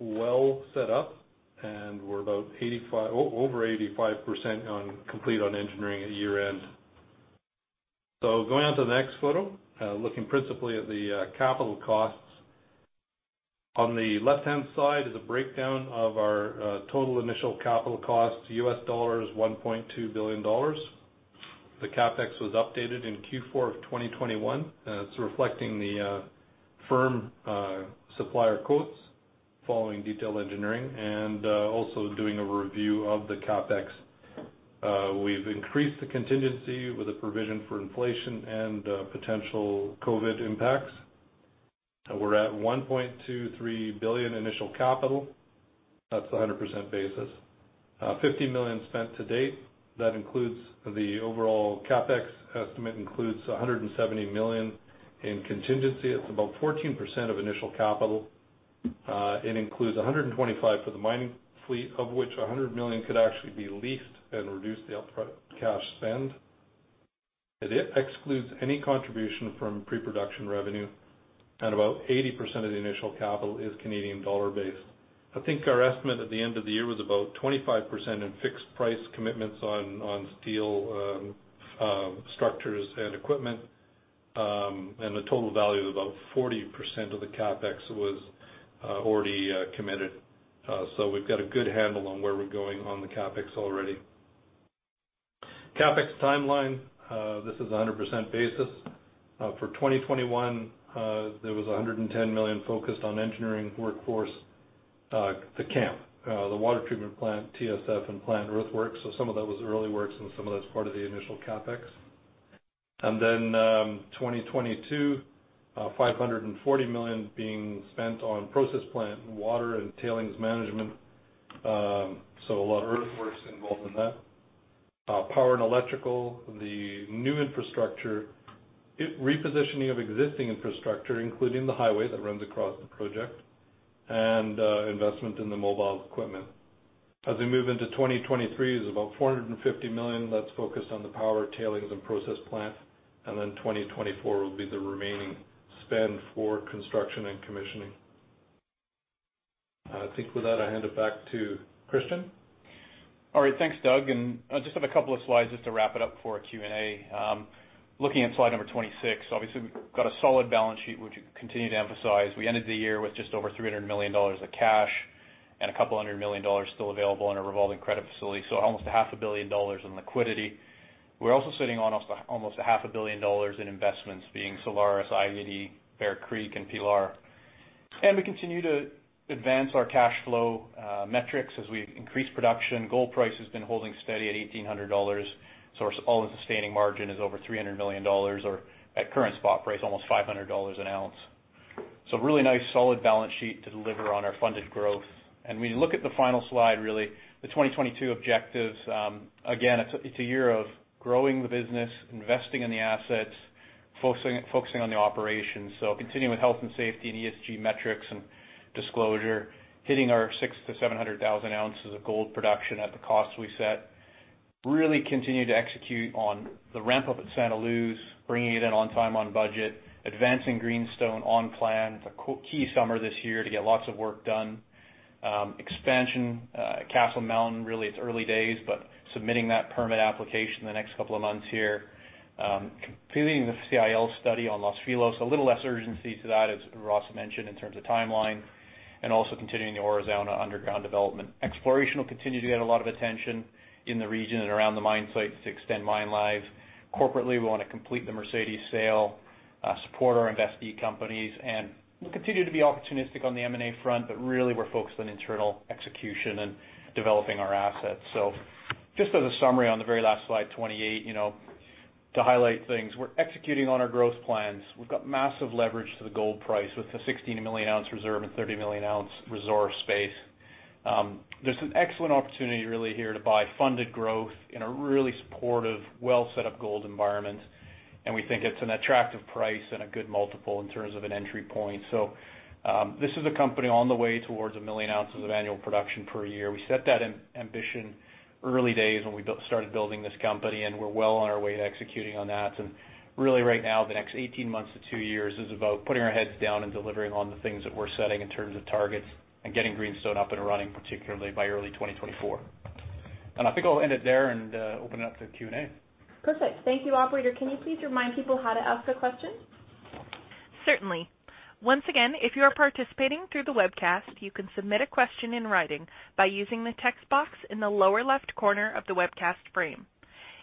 well set up, and we're over 85% complete on engineering at year-end. Going on to the next photo, looking principally at the capital costs. On the left-hand side is a breakdown of our total initial capital costs, $1.2 billion. The CapEx was updated in Q4 of 2021, it's reflecting the firm supplier quotes following detailed engineering and also doing a review of the CapEx. We've increased the contingency with a provision for inflation and potential COVID impacts. We're at $1.23 billion initial capital. That's 100% basis. $50 million spent to date. That includes the overall CapEx estimate, $170 million in contingency. It's about 14% of initial capital. It includes 125 for the mining fleet, of which $100 million could actually be leased and reduce the up-front cash spend. It excludes any contribution from pre-production revenue, and about 80% of the initial capital is Canadian dollar based. I think our estimate at the end of the year was about 25% in fixed price commitments on steel, structures and equipment, and the total value of about 40% of the CapEx was already committed. So we've got a good handle on where we're going on the CapEx already. CapEx timeline, this is a 100% basis. For 2021, there was $110 million focused on engineering workforce, the camp, the water treatment plant, TSF and plant earthworks. Some of that was early works and some of that's part of the initial CapEx. Then, 2022, $540 million being spent on process plant, water and tailings management, so a lot of earthworks involved in that. Power and electrical, the new infrastructure, repositioning of existing infrastructure, including the highway that runs across the project, and investment in the mobile equipment. As we move into 2023, there's about $450 million that's focused on the power, tailings and process plant, and then 2024 will be the remaining spend for construction and commissioning. I think with that, I hand it back to Christian. All right. Thanks, Doug, and I just have a couple of slides just to wrap it up for Q&A. Looking at slide number 26, obviously we've got a solid balance sheet which we continue to emphasize. We ended the year with just over $300 million of cash and $200 million still available in a revolving credit facility, so almost $500 million in liquidity. We're also sitting on almost $500 million in investments being Solaris, i-80, Bear Creek and Pilar. We continue to advance our cash flow metrics as we increase production. Gold price has been holding steady at $1,800, so our all-in sustaining margin is over $300 million or at current spot price, almost $500 an ounce. Really nice solid balance sheet to deliver on our funded growth. We look at the final slide really, the 2022 objectives, again, it's a year of growing the business, investing in the assets, focusing on the operations. Continuing with health and safety and ESG metrics and disclosure, hitting our 600,000-700,000 ounces of gold production at the cost we set. Really continue to execute on the ramp-up at Santa Luz, bringing it in on time, on budget, advancing Greenstone on plan. It's a key summer this year to get lots of work done. Expansion at Castle Mountain, really it's early days, but submitting that permit application in the next couple of months here. Completing the CIL study on Los Filos, a little less urgency to that, as Ross mentioned, in terms of timeline. Also continuing the Aurizona underground development. Exploration will continue to get a lot of attention in the region and around the mine sites to extend mine life. Corporately, we wanna complete the Mercedes sale, support our investee companies, and we'll continue to be opportunistic on the M&A front, but really we're focused on internal execution and developing our assets. Just as a summary on the very last slide, 28, you know, to highlight things, we're executing on our growth plans. We've got massive leverage to the gold price with the 16 million ounce reserve and 30 million ounce reserve space. There's an excellent opportunity really here to buy funded growth in a really supportive, well set up gold environment, and we think it's an attractive price and a good multiple in terms of an entry point. This is a company on the way towards a million ounces of annual production per year. We set that ambition in the early days when we started building this company, and we're well on our way to executing on that. Really right now, the next 18 months to two years is about putting our heads down and delivering on the things that we're setting in terms of targets and getting Greenstone up and running, particularly by early 2024. I think I'll end it there and open it up to Q&A. Perfect. Thank you. Operator, can you please remind people how to ask a question? Certainly. Once again, if you are participating through the webcast, you can submit a question in writing by using the text box in the lower left corner of the webcast frame.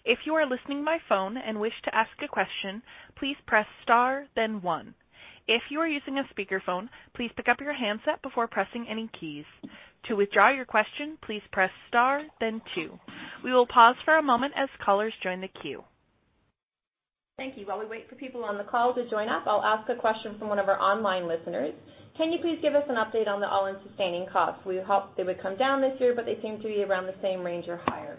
If you are listening by phone and wish to ask a question, please press star then one. If you are using a speakerphone, please pick up your handset before pressing any keys. To withdraw your question, please press star then two. We will pause for a moment as callers join the queue. Thank you. While we wait for people on the call to join us, I'll ask a question from one of our online listeners. Can you please give us an update on the all-in sustaining costs? We hope they would come down this year, but they seem to be around the same range or higher.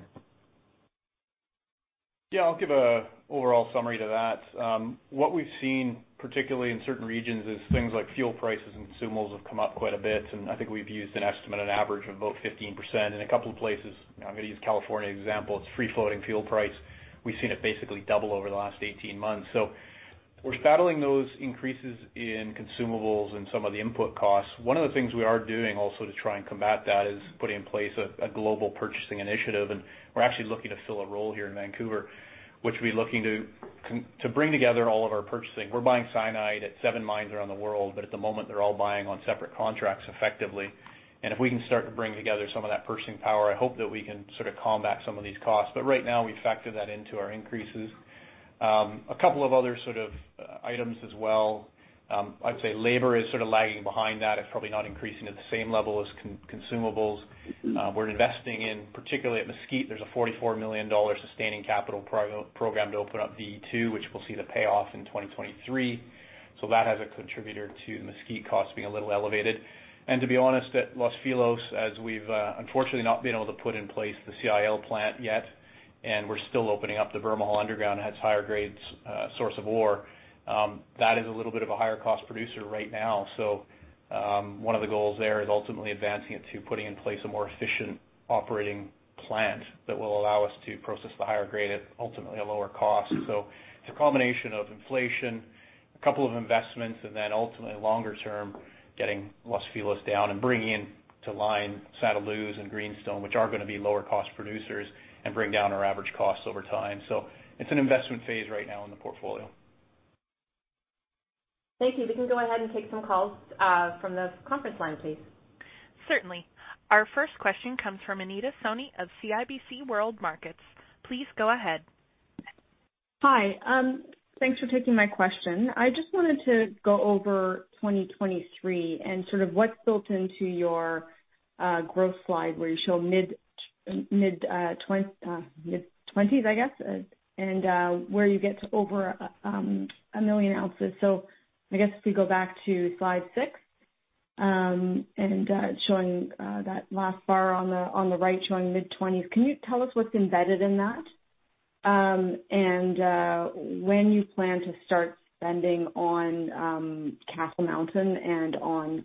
Yeah, I'll give an overall summary to that. What we've seen, particularly in certain regions, is things like fuel prices and consumables have come up quite a bit, and I think we've used an estimate, an average of about 15%. In a couple of places, I'm gonna use California example, it's free floating fuel price. We've seen it basically double over the last 18 months. We're battling those increases in consumables and some of the input costs. One of the things we are doing also to try and combat that is putting in place a global purchasing initiative, and we're actually looking to fill a role here in Vancouver, which we're looking to to bring together all of our purchasing. We're buying cyanide at seven mines around the world, but at the moment, they're all buying on separate contracts effectively. If we can start to bring together some of that purchasing power, I hope that we can sort of combat some of these costs. Right now, we factor that into our increases. A couple of other sort of items as well. I'd say labor is sort of lagging behind that. It's probably not increasing at the same level as consumables. We're investing in, particularly at Mesquite, there's a $44 million sustaining capital program to open up VE2, which we'll see the payoff in 2023. That has contributed to Mesquite costs being a little elevated. To be honest, at Los Filos, as we've unfortunately not been able to put in place the CIL plant yet, and we're still opening up the Bermejal underground, has higher grades, source of ore that is a little bit of a higher cost producer right now. One of the goals there is ultimately advancing it to putting in place a more efficient operating plant that will allow us to process the higher grade at ultimately a lower cost. It's a combination of inflation, a couple of investments, and then ultimately longer term, getting Los Filos down and bringing in to line Santa Luz and Greenstone, which are gonna be lower cost producers and bring down our average costs over time. It's an investment phase right now in the portfolio. Thank you. We can go ahead and take some calls from the conference line, please. Certainly. Our first question comes from Anita Soni of CIBC World Markets. Please go ahead. Hi, thanks for taking my question. I just wanted to go over 2023 and sort of what's built into your growth slide where you show mid-20s, I guess. Where you get to over a million ounces. I guess if you go back to slide six and showing that last bar on the right, showing mid-20s, can you tell us what's embedded in that? When you plan to start spending on Castle Mountain and on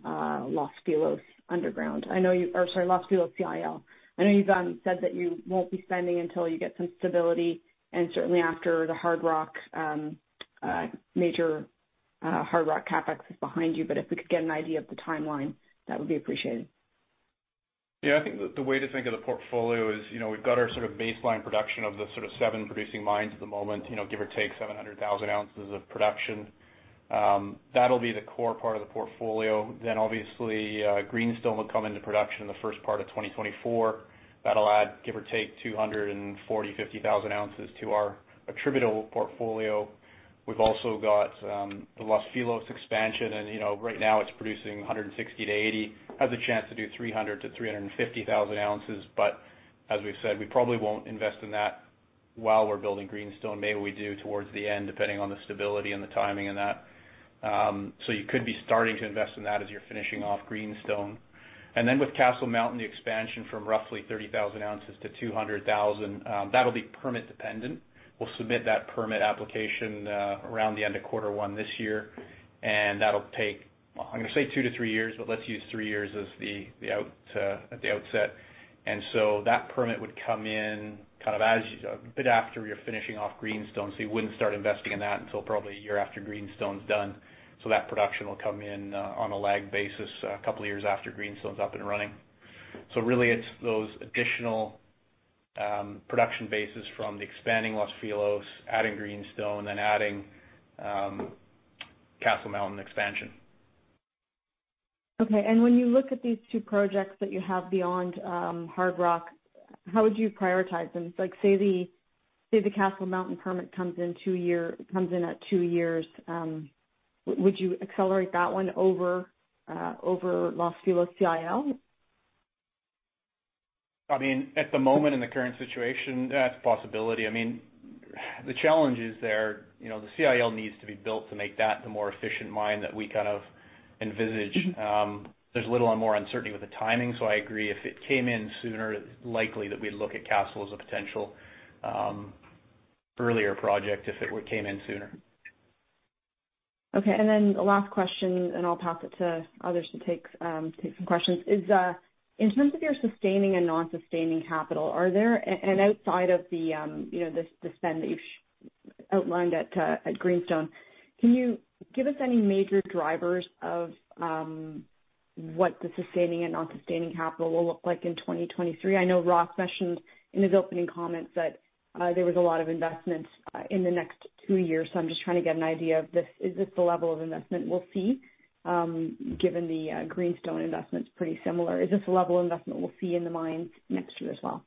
Los Filos underground? Sorry, Los Filos CIL. I know you've said that you won't be spending until you get some stability, and certainly after the hard rock major hard rock CapEx is behind you, but if we could get an idea of the timeline, that would be appreciated. Yeah. I think the way to think of the portfolio is, you know, we've got our sort of baseline production of the sort of seven producing mines at the moment, you know, give or take 700,000 ounces of production. That'll be the core part of the portfolio. Then obviously, Greenstone will come into production in the first part of 2024. That'll add, give or take, 240,000-250,000 ounces to our attributable portfolio. We've also got the Los Filos expansion and, you know, right now it's producing 160,000-180,000. It has a chance to do 300,000-350,000 ounces. But as we've said, we probably won't invest in that while we're building Greenstone. Maybe we do towards the end, depending on the stability and the timing in that. You could be starting to invest in that as you're finishing off Greenstone. With Castle Mountain, the expansion from roughly 30,000 ounces to 200,000, that'll be permit dependent. We'll submit that permit application around the end of Q1 this year, and that'll take, I'm gonna say two-three years, but let's use three years as the outset. That permit would come in kind of as a bit after you're finishing off Greenstone, so you wouldn't start investing in that until probably a year after Greenstone's done. That production will come in on a lag basis a couple of years after Greenstone's up and running. Really it's those additional production bases from the expanding Los Filos, adding Greenstone, and adding Castle Mountain expansion. Okay. When you look at these two projects that you have beyond hard rock, how would you prioritize them? Like, say the Castle Mountain permit comes in at two years, would you accelerate that one over Los Filos CIL? I mean, at the moment, in the current situation, that's a possibility. I mean, the challenge is there, you know, the CIL needs to be built to make that the more efficient mine that we kind of envisage. There's a little more uncertainty with the timing, so I agree, if it came in sooner, likely that we'd look at Castle as a potential earlier project if it came in sooner. Okay. The last question, and I'll pass it to others to take some questions, is in terms of your sustaining and non-sustaining capital, are there and outside of the, you know, the spend that you sh- Outlined at Greenstone, can you give us any major drivers of what the sustaining and non-sustaining capital will look like in 2023? I know Ross mentioned in his opening comments that there was a lot of investments in the next two years, so I'm just trying to get an idea of this. Is this the level of investment we'll see, given the Greenstone investment's pretty similar? Is this the level of investment we'll see in the mines next year as well?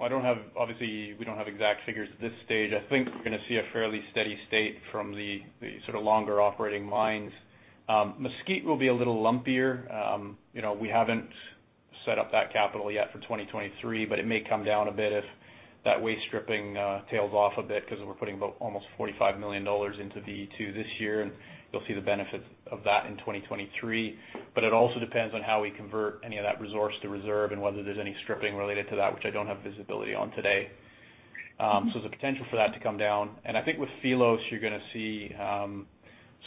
Obviously, we don't have exact figures at this stage. I think we're gonna see a fairly steady state from the sort of longer operating mines. Mesquite will be a little lumpier. You know, we haven't set up that capital yet for 2023, but it may come down a bit if that waste stripping tails off a bit because we're putting about almost $45 million into VE2 this year, and you'll see the benefits of that in 2023. It also depends on how we convert any of that resource to reserve and whether there's any stripping related to that, which I don't have visibility on today. There's a potential for that to come down. I think with Los Filos, you're gonna see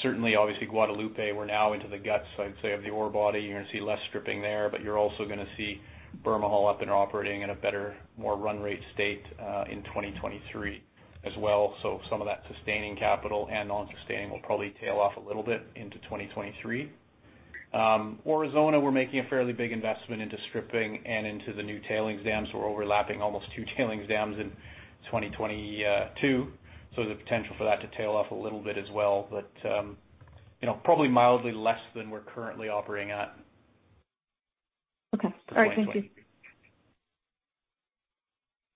certainly, obviously Guadalupe, we're now into the guts, I'd say, of the ore body. You're gonna see less stripping there, but you're also gonna see Bermejal up and operating in a better, more run rate state in 2023 as well. Some of that sustaining capital and non-sustaining will probably tail off a little bit into 2023. Aurizona, we're making a fairly big investment into stripping and into the new tailings dams. We're overlapping almost two tailings dams in 2022. The potential for that to tail off a little bit as well. You know, probably mildly less than we're currently operating at. Okay. All right. Thank you. for 2020.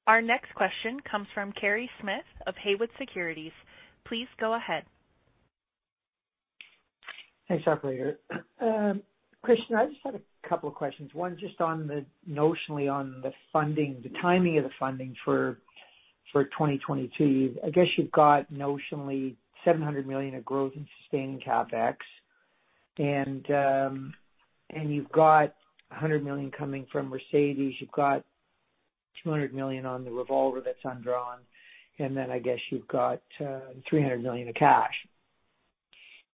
Our next question comes from Kerry Smith of Haywood Securities. Please go ahead. Thanks, operator. Christian, I just had a couple of questions. One just on the notionally on the funding, the timing of the funding for 2022. I guess you've got notionally $700 million of growth and sustaining CapEx. And you've got $100 million coming from Mercedes. You've got $200 million on the revolver that's undrawn. And then I guess you've got $300 million of cash.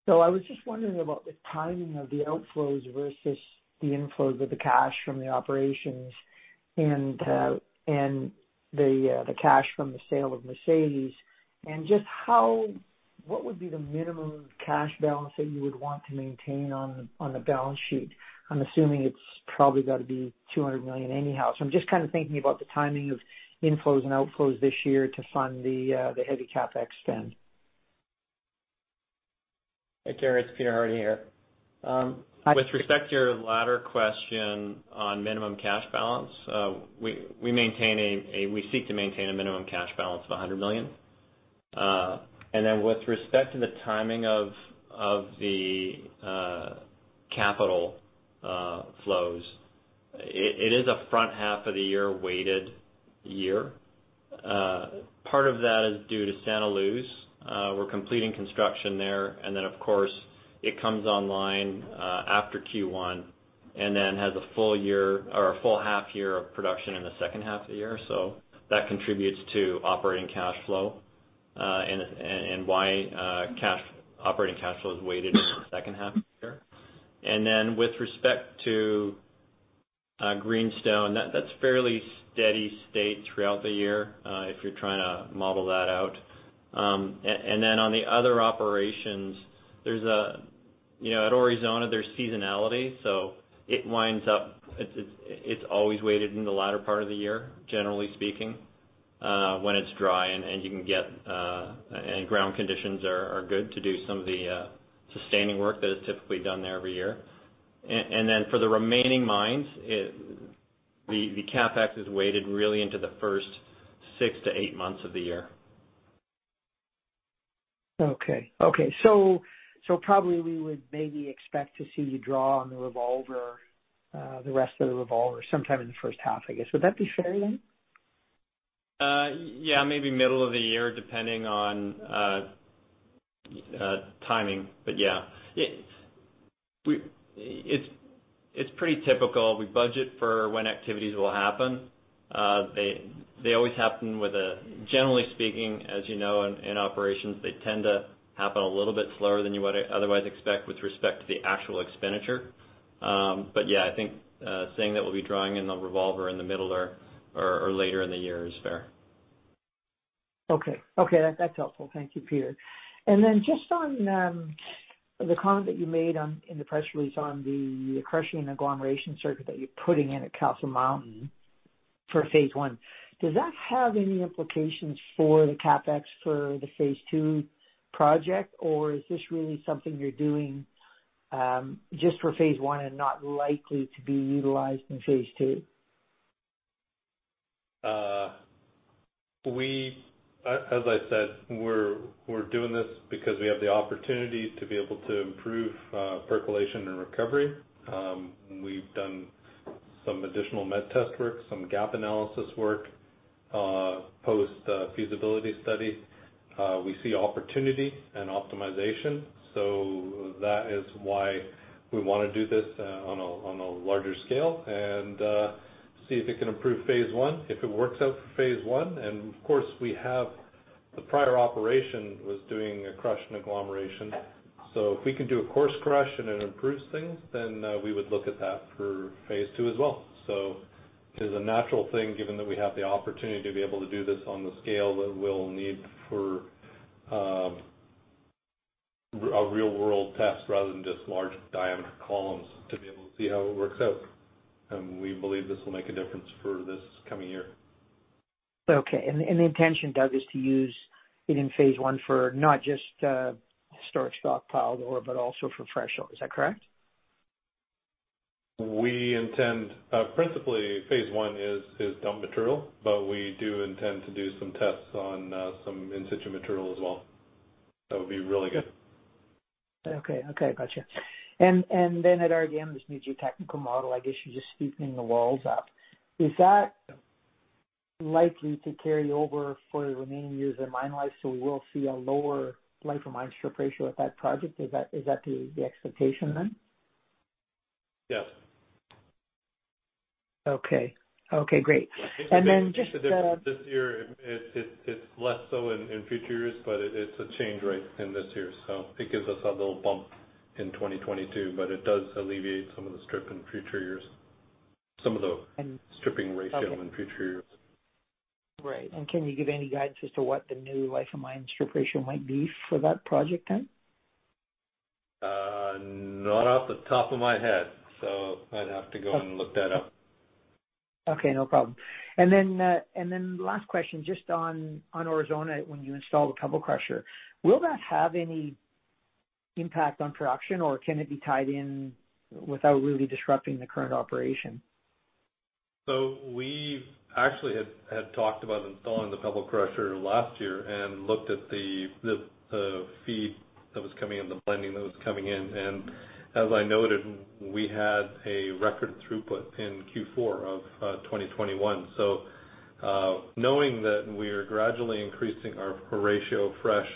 I was just wondering about the timing of the outflows versus the inflows with the cash from the operations and the cash from the sale of Mercedes. Just how, what would be the minimum cash balance that you would want to maintain on the balance sheet? I'm assuming it's probably gotta be $200 million anyhow. I'm just kind of thinking about the timing of inflows and outflows this year to fund the heavy CapEx spend. Hey, Kerry, it's Peter Hardie here. Hi, Peter. With respect to your latter question on minimum cash balance, we seek to maintain a minimum cash balance of $100 million. With respect to the timing of the capital flows, it is a front half of the year weighted year. Part of that is due to Santa Luz. We're completing construction there. Of course, it comes online after Q1, and then has a full year or a full half year of production in the second half of the year. That contributes to operating cash flow, and why operating cash flow is weighted in the second half of the year. With respect to Greenstone, that's fairly steady state throughout the year, if you're trying to model that out. Then on the other operations, there's a, you know, at Aurizona, there's seasonality, so it winds up, it's always weighted in the latter part of the year, generally speaking, when it's dry and you can get and ground conditions are good to do some of the sustaining work that is typically done there every year. Then for the remaining mines, the CapEx is weighted really into the first 6-8 months of the year. Okay. Probably we would maybe expect to see you draw on the revolver, the rest of the revolver sometime in the first half, I guess. Would that be fair then? Yeah, maybe middle of the year, depending on timing. Yeah. It's pretty typical. We budget for when activities will happen. They always happen, generally speaking, as you know, in operations, they tend to happen a little bit slower than you would otherwise expect with respect to the actual expenditure. Yeah, I think saying that we'll be drawing in the revolver in the middle or later in the year is fair. Okay. That's helpful. Thank you, Peter. Just on the comment that you made in the press release on the crushing and agglomeration circuit that you're putting in at Castle Mountain for phase I, does that have any implications for the CapEx for the phase II project, or is this really something you're doing just for phase II and not likely to be utilized in phase II? As I said, we're doing this because we have the opportunity to be able to improve percolation and recovery. We've done some additional met test work, some gap analysis work post feasibility study. We see opportunity and optimization. That is why we wanna do this on a larger scale and see if it can improve phase I, if it works out for phase I. Of course, the prior operation was doing a crush and agglomeration. If we can do a coarse crush and it improves things, then we would look at that for phase II as well. It is a natural thing given that we have the opportunity to be able to do this on the scale that we'll need for a real world test rather than just large diameter columns to be able to see how it works out. We believe this will make a difference for this coming year. Okay. The intention, Doug, is to use it in phase I for not just storage stockpiled ore, but also for fresh ore. Is that correct? We intend, principally, phase I is dump material, but we do intend to do some tests on some in-situ material as well. That would be really good. Okay. Gotcha. At RDM, this new geotechnical model, I guess you're just steepening the walls up. Is that likely to carry over for the remaining years of mine life, so we'll see a lower life of mine strip ratio at that project? Is that the expectation then? Yes. Okay. Okay, great. Then just, It makes a difference this year. It's less so in future years, but it's a change right in this year, so it gives us a little bump in 2022, but it does alleviate some of the strip in future years, some of the stripping ratio in future years. Right. Can you give any guidance as to what the new life of mine strip ratio might be for that project then? Not off the top of my head, so I'd have to go and look that up. Okay. No problem. Last question, just on Aurizona, when you install the pebble crusher, will that have any impact on production, or can it be tied in without really disrupting the current operation? We actually talked about installing the pebble crusher last year and looked at the feed that was coming in, the blending that was coming in. As I noted, we had a record throughput in Q4 of 2021. Knowing that we are gradually increasing our ratio fresh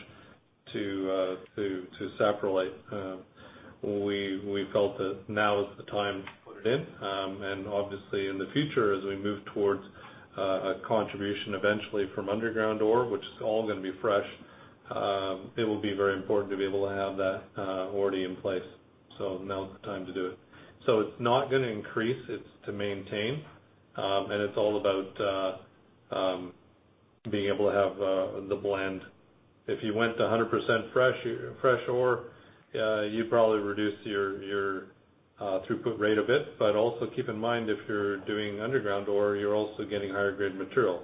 to saprolite, we felt that now is the time to put it in. Obviously in the future as we move towards a contribution eventually from underground ore, which is all gonna be fresh, it will be very important to be able to have that already in place. Now's the time to do it. It's not gonna increase, it's to maintain, and it's all about being able to have the blend. If you went to 100% fresh ore, you'd probably reduce your throughput rate a bit. Also keep in mind if you're doing underground ore, you're also getting higher grade material.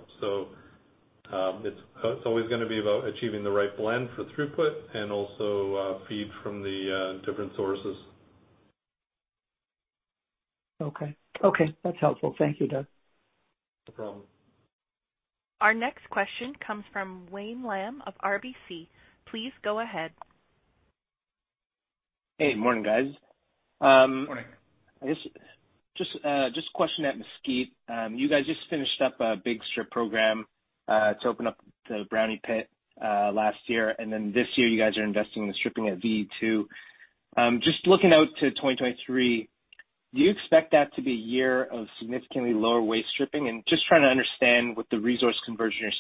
It's always gonna be about achieving the right blend for throughput and also feed from the different sources. Okay. Okay. That's helpful. Thank you, Doug. No problem. Our next question comes from Wayne Lam of RBC. Please go ahead. Hey, morning guys. Morning. I guess just a question at Mesquite. You guys just finished up a big strip program to open up the Brownie Pit last year, and then this year you guys are investing in the stripping at VE2. Just looking out to 2023, do you expect that to be a year of significantly lower waste stripping? Just trying to understand what the resource conversion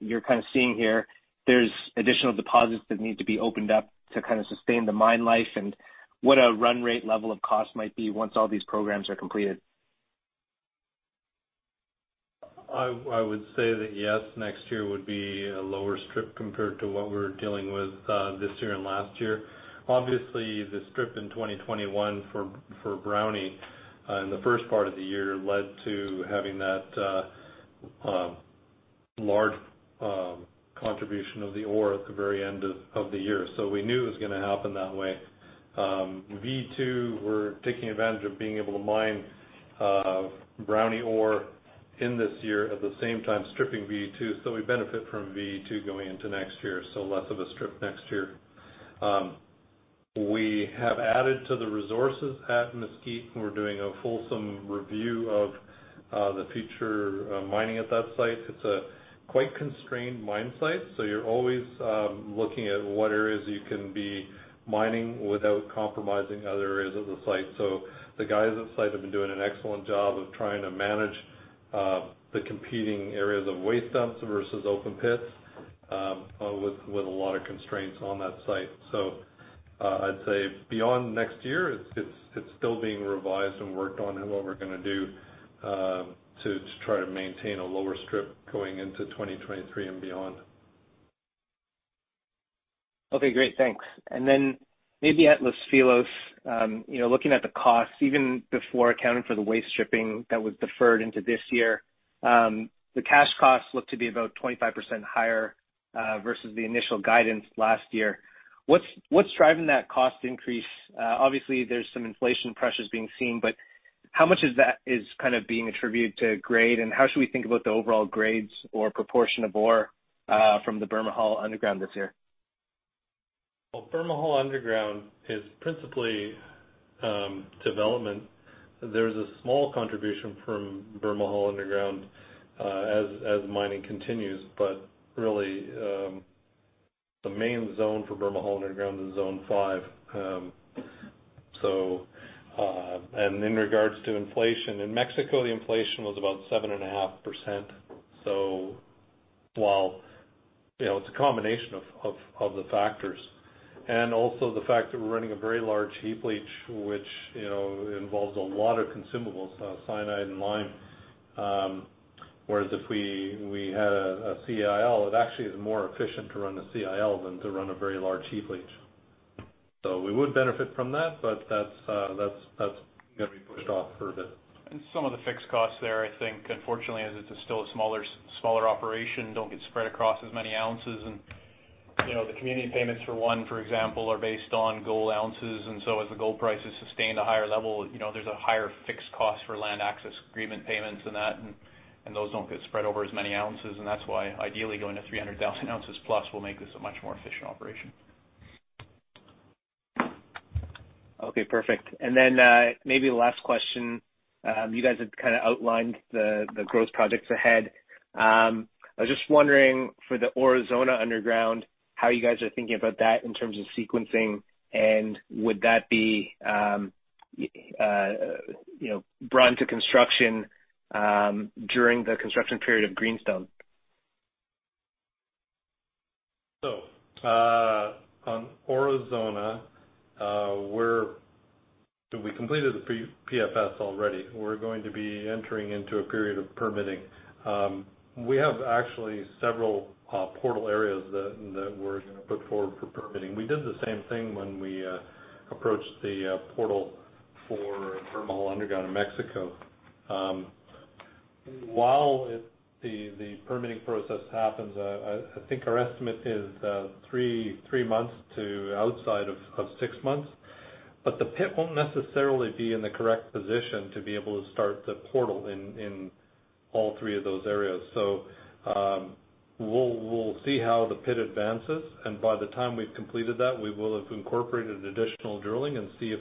you're kind of seeing here, there's additional deposits that need to be opened up to kind of sustain the mine life and what a run rate level of cost might be once all these programs are completed. I would say that yes, next year would be a lower strip compared to what we're dealing with, this year and last year. Obviously, the strip in 2021 for Brownie in the first part of the year led to having that large contribution of the ore at the very end of the year. We knew it was gonna happen that way. VE2, we're taking advantage of being able to mine Brownie ore in this year at the same time stripping VE2, so we benefit from VE2 going into next year, so less of a strip next year. We have added to the resources at Mesquite, and we're doing a fulsome review of the future mining at that site. It's a quite constrained mine site, so you're always looking at what areas you can be mining without compromising other areas of the site. The guys at site have been doing an excellent job of trying to manage the competing areas of waste dumps versus open pits with a lot of constraints on that site. I'd say beyond next year, it's still being revised and worked on in what we're gonna do to try to maintain a lower strip going into 2023 and beyond. Okay. Great. Thanks. Maybe at Los Filos, looking at the costs even before accounting for the waste stripping that was deferred into this year, the cash costs look to be about 25% higher versus the initial guidance last year. What's driving that cost increase? Obviously there's some inflation pressures being seen, but how much of that is kind of being attributed to grade, and how should we think about the overall grades or proportion of ore from the Bermejal underground this year? Well, Bermejal underground is principally development. There's a small contribution from Bermejal underground as mining continues, but really, the main zone for Bermejal underground is zone five. And in regards to inflation, in Mexico, the inflation was about 7.5%. While, you know, it's a combination of the factors, and also the fact that we're running a very large heap leach, which, you know, involves a lot of consumables, cyanide and lime. Whereas if we had a CIL, it actually is more efficient to run a CIL than to run a very large heap leach. We would benefit from that, but that's gonna be pushed off for a bit. Some of the fixed costs there, I think unfortunately, as it's still a smaller operation, don't get spread across as many ounces. You know, the community payments for one, for example, are based on gold ounces. As the gold price has sustained a higher level, you know, there's a higher fixed cost for land access agreement payments and that, and those don't get spread over as many ounces. That's why ideally going to 300,000 ounces plus will make this a much more efficient operation. Okay, perfect. Then, maybe the last question, you guys have kinda outlined the growth projects ahead. I was just wondering for the Aurizona underground, how you guys are thinking about that in terms of sequencing, and would that be, you know, brought into construction, during the construction period of Greenstone? On Aurizona, we completed the PFS already. We are going to be entering into a period of permitting. We have actually several portal areas that we're gonna put forward for permitting. We did the same thing when we approached the portal for Bermejal underground in Mexico. While the permitting process happens, I think our estimate is three months to outside of six months. The pit won't necessarily be in the correct position to be able to start the portal in all three of those areas. We'll see how the pit advances, and by the time we've completed that, we will have incorporated additional drilling and see if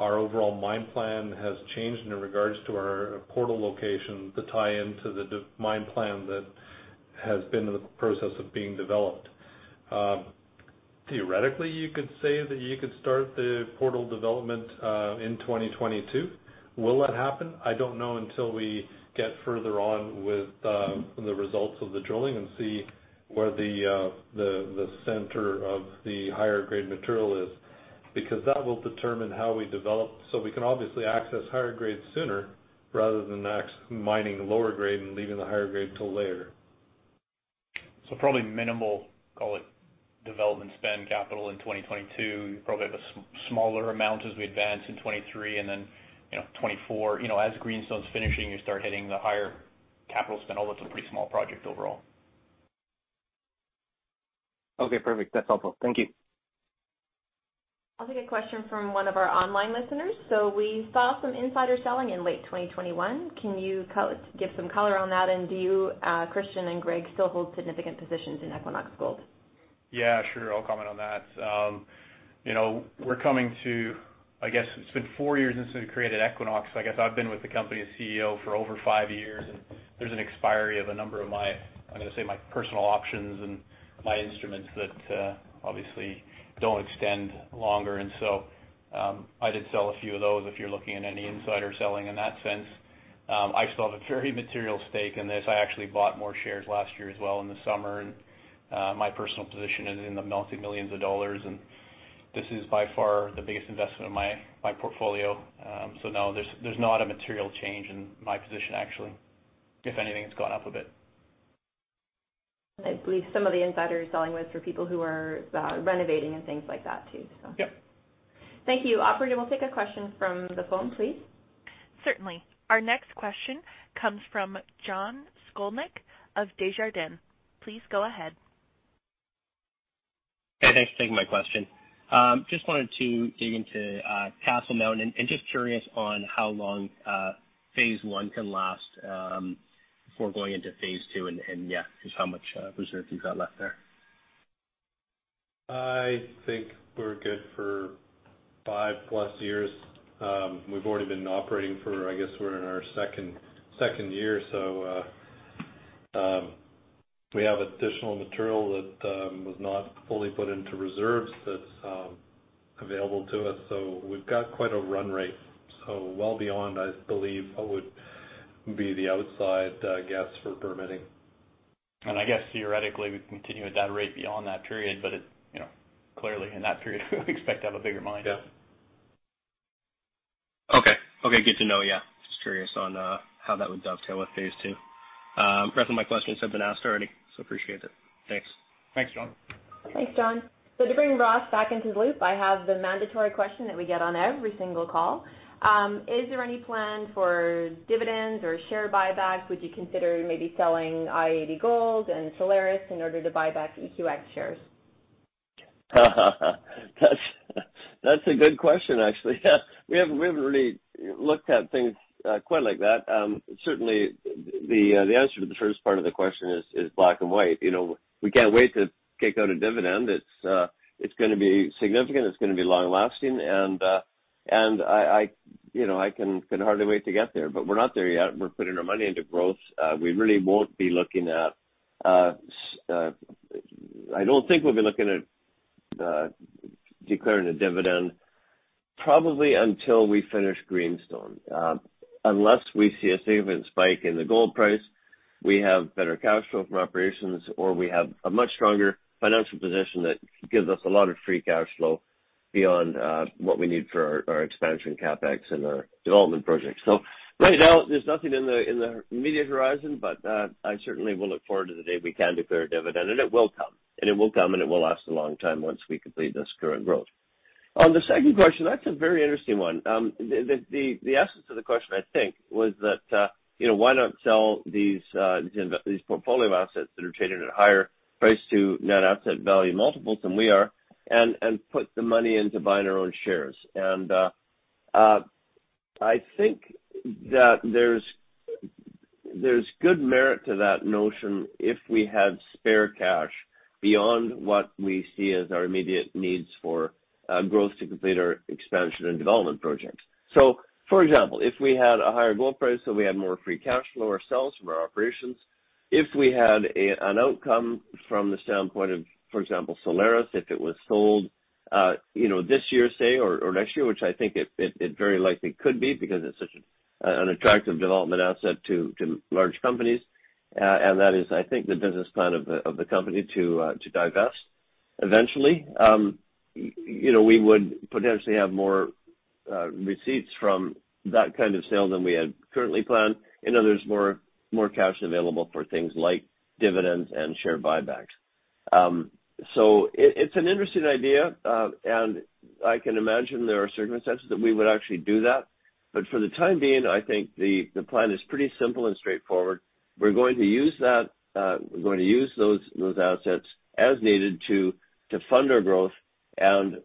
our overall mine plan has changed in regards to our portal location to tie into the mine plan that has been in the process of being developed. Theoretically, you could say that you could start the portal development in 2022. Will that happen? I don't know until we get further on with the results of the drilling and see where the center of the higher-grade material is, because that will determine how we develop. We can obviously access higher grades sooner rather than mining lower grade and leaving the higher grade till later. Probably minimal, call it development spend capital in 2022, probably have a smaller amount as we advance in 2023 and then, you know, 2024. You know, as Greenstone's finishing, you start hitting the higher capital spend, although it's a pretty small project overall. Okay, perfect. That's helpful. Thank you. I'll take a question from one of our online listeners. We saw some insider selling in late 2021. Can you give some color on that? Do you, Christian and Greg, still hold significant positions in Equinox Gold? Yeah, sure. I'll comment on that. You know, we're coming to, I guess, it's been four years since we created Equinox. I guess I've been with the company as CEO for over five years, and there's an expiry of a number of my, I'm gonna say my personal options and my instruments that obviously don't extend longer. I did sell a few of those, if you're looking at any insider selling in that sense. I still have a very material stake in this. I actually bought more shares last year as well in the summer, and my personal position is multi-millions dollars, and this is by far the biggest investment in my portfolio. No, there's not a material change in my position, actually. If anything, it's gone up a bit. I believe some of the insider selling was for people who were renovating and things like that too, so. Yep. Thank you. Operator, we'll take a question from the phone, please. Certainly. Our next question comes from John Sclodnick of Desjardins. Please go ahead. Hey, thanks for taking my question. Just wanted to dig into Castle Mountain, and just curious on how long phase I can last before going into phase II, and yeah, just how much reserves you've got left there. I think we're good for five plus years. We've already been operating for, I guess we're in our second year. We have additional material that was not fully put into reserves that's available to us, so we've got quite a run rate. Well beyond, I believe, what would be the outside guess for permitting. I guess theoretically, we can continue at that rate beyond that period, but it's, you know, clearly in that period we expect to have a bigger mine. Yeah. Okay. Okay, good to know. Yeah. Just curious on how that would dovetail with phase II. Rest of my questions have been asked already, so appreciate it. Thanks. Thanks, John. Thanks, John. To bring Ross back into the loop, I have the mandatory question that we get on every single call. Is there any plan for dividends or share buybacks? Would you consider maybe selling i-80 Gold and Solaris in order to buy back EQX shares? That's a good question, actually. Yeah, we haven't really looked at things quite like that. Certainly the answer to the first part of the question is black and white. You know, we can't wait to kick out a dividend. It's gonna be significant, it's gonna be long lasting, and I, you know, can hardly wait to get there. But we're not there yet. We're putting our money into growth. I don't think we'll be looking at declaring a dividend probably until we finish Greenstone. Unless we see a significant spike in the gold price, we have better cash flow from operations, or we have a much stronger financial position that gives us a lot of free cash flow beyond what we need for our expansion CapEx and our development projects. Right now, there's nothing in the immediate horizon, but I certainly will look forward to the day we can declare a dividend, and it will come, and it will last a long time once we complete this current growth. On the second question, that's a very interesting one. The essence of the question, I think, was that, you know, why not sell these portfolio assets that are traded at a higher price to net asset value multiples than we are and put the money into buying our own shares? I think that there's good merit to that notion if we had spare cash beyond what we see as our immediate needs for growth to complete our expansion and development projects. For example, if we had a higher gold price, so we had more free cash flow ourselves from our operations, if we had an outcome from the standpoint of, for example, Solaris, if it was sold, you know, this year, say, or next year, which I think it very likely could be because it's such an attractive development asset to large companies, and that is, I think, the business plan of the company to divest eventually. You know, we would potentially have more receipts from that kind of sale than we had currently planned, and there's more cash available for things like dividends and share buybacks. It's an interesting idea. I can imagine there are circumstances that we would actually do that. For the time being, I think the plan is pretty simple and straightforward. We're going to use that, we're going to use those assets as needed to fund our growth and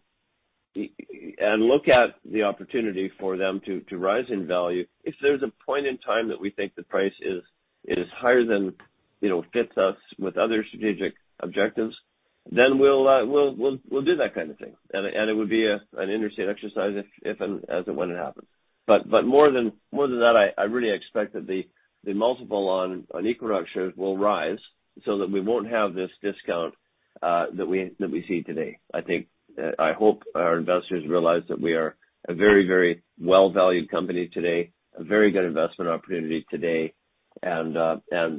look at the opportunity for them to rise in value. If there's a point in time that we think the price is higher than, you know, fits us with other strategic objectives, then we'll do that kind of thing. It would be an interesting exercise if and as it when it happens. More than that, I really expect that the multiple on Equinox shares will rise so that we won't have this discount that we see today. I think, I hope our investors realize that we are a very, very well-valued company today, a very good investment opportunity today, and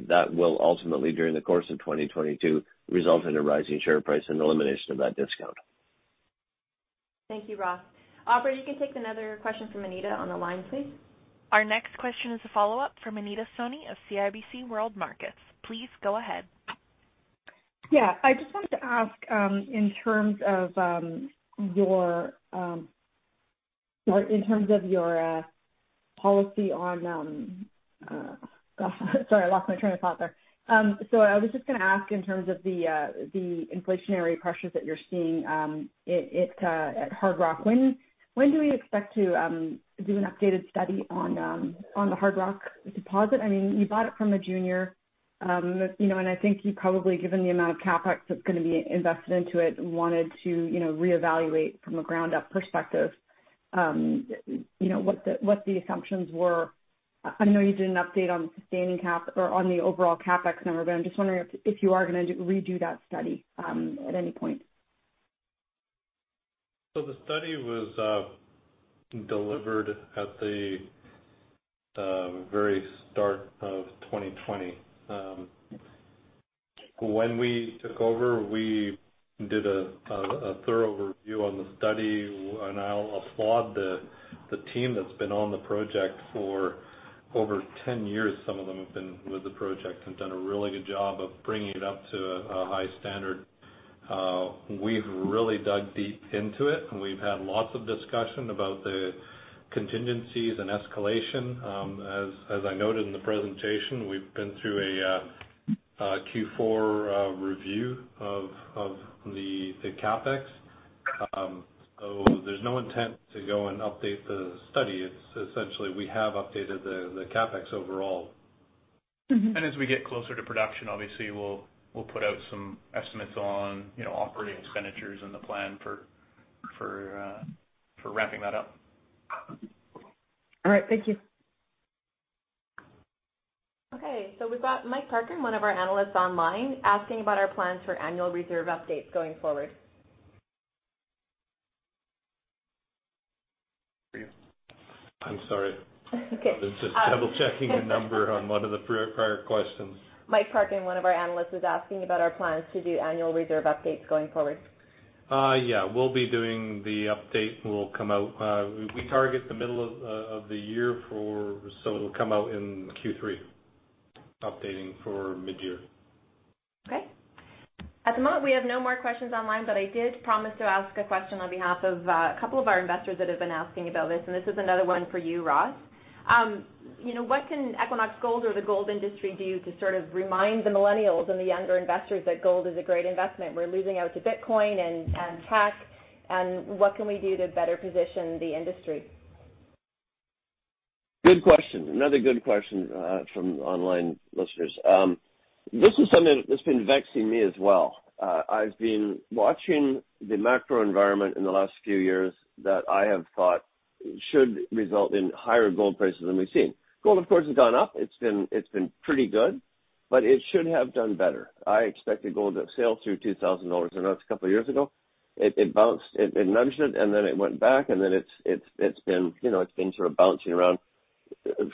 that will ultimately, during the course of 2022, result in a rising share price and elimination of that discount. Thank you, Ross. Operator, you can take another question from Anita on the line, please. Our next question is a follow-up from Anita Soni of CIBC World Markets. Please go ahead. Yeah. I just wanted to ask. Gosh, sorry, I lost my train of thought there. I was just gonna ask in terms of the inflationary pressures that you're seeing at Hardrock. When do we expect to do an updated study on the Hardrock deposit? I mean, you bought it from a junior. You know, and I think you probably, given the amount of CapEx that's gonna be invested into it, wanted to, you know, reevaluate from a ground up perspective, you know, what the assumptions were. I know you did an update on the sustaining cap or on the overall CapEx number, but I'm just wondering if you are gonna redo that study at any point. The study was delivered at the very start of 2020. When we took over, we did a thorough review on the study, and I'll applaud the team that's been on the project for over 10 years, some of them have been with the project and done a really good job of bringing it up to a high standard. We've really dug deep into it, and we've had lots of discussion about the contingencies and escalation. As I noted in the presentation, we've been through a Q4 review of the CapEx. There's no intent to go and update the study. It's essentially we have updated the CapEx overall. Mm-hmm. As we get closer to production, obviously we'll put out some estimates on, you know, operating expenditures and the plan for ramping that up. All right. Thank you. Okay. We've got Mike Parkin, one of our analysts online, asking about our plans for annual reserve updates going forward. For you. I'm sorry. Okay. I was just double-checking a number on one of the prior questions. Mike Parkin, one of our analysts, was asking about our plans to do annual reserve updates going forward. Yeah. We'll be doing the update. We target the middle of the year for it. It'll come out in Q3, updating for midyear. Okay. At the moment, we have no more questions online, but I did promise to ask a question on behalf of a couple of our investors that have been asking about this, and this is another one for you, Ross. You know, what can Equinox Gold or the gold industry do to sort of remind the millennials and the younger investors that gold is a great investment? We're losing out to Bitcoin and tech, and what can we do to better position the industry? Good question. Another good question from online listeners. This is something that's been vexing me as well. I've been watching the macro environment in the last few years that I have thought should result in higher gold prices than we've seen. Gold, of course, has gone up. It's been pretty good, but it should have done better. I expected gold to sail through $2,000, I know it's a couple of years ago. It bounced, it nudged it, and then it went back, and then it's been, you know, it's been sort of bouncing around,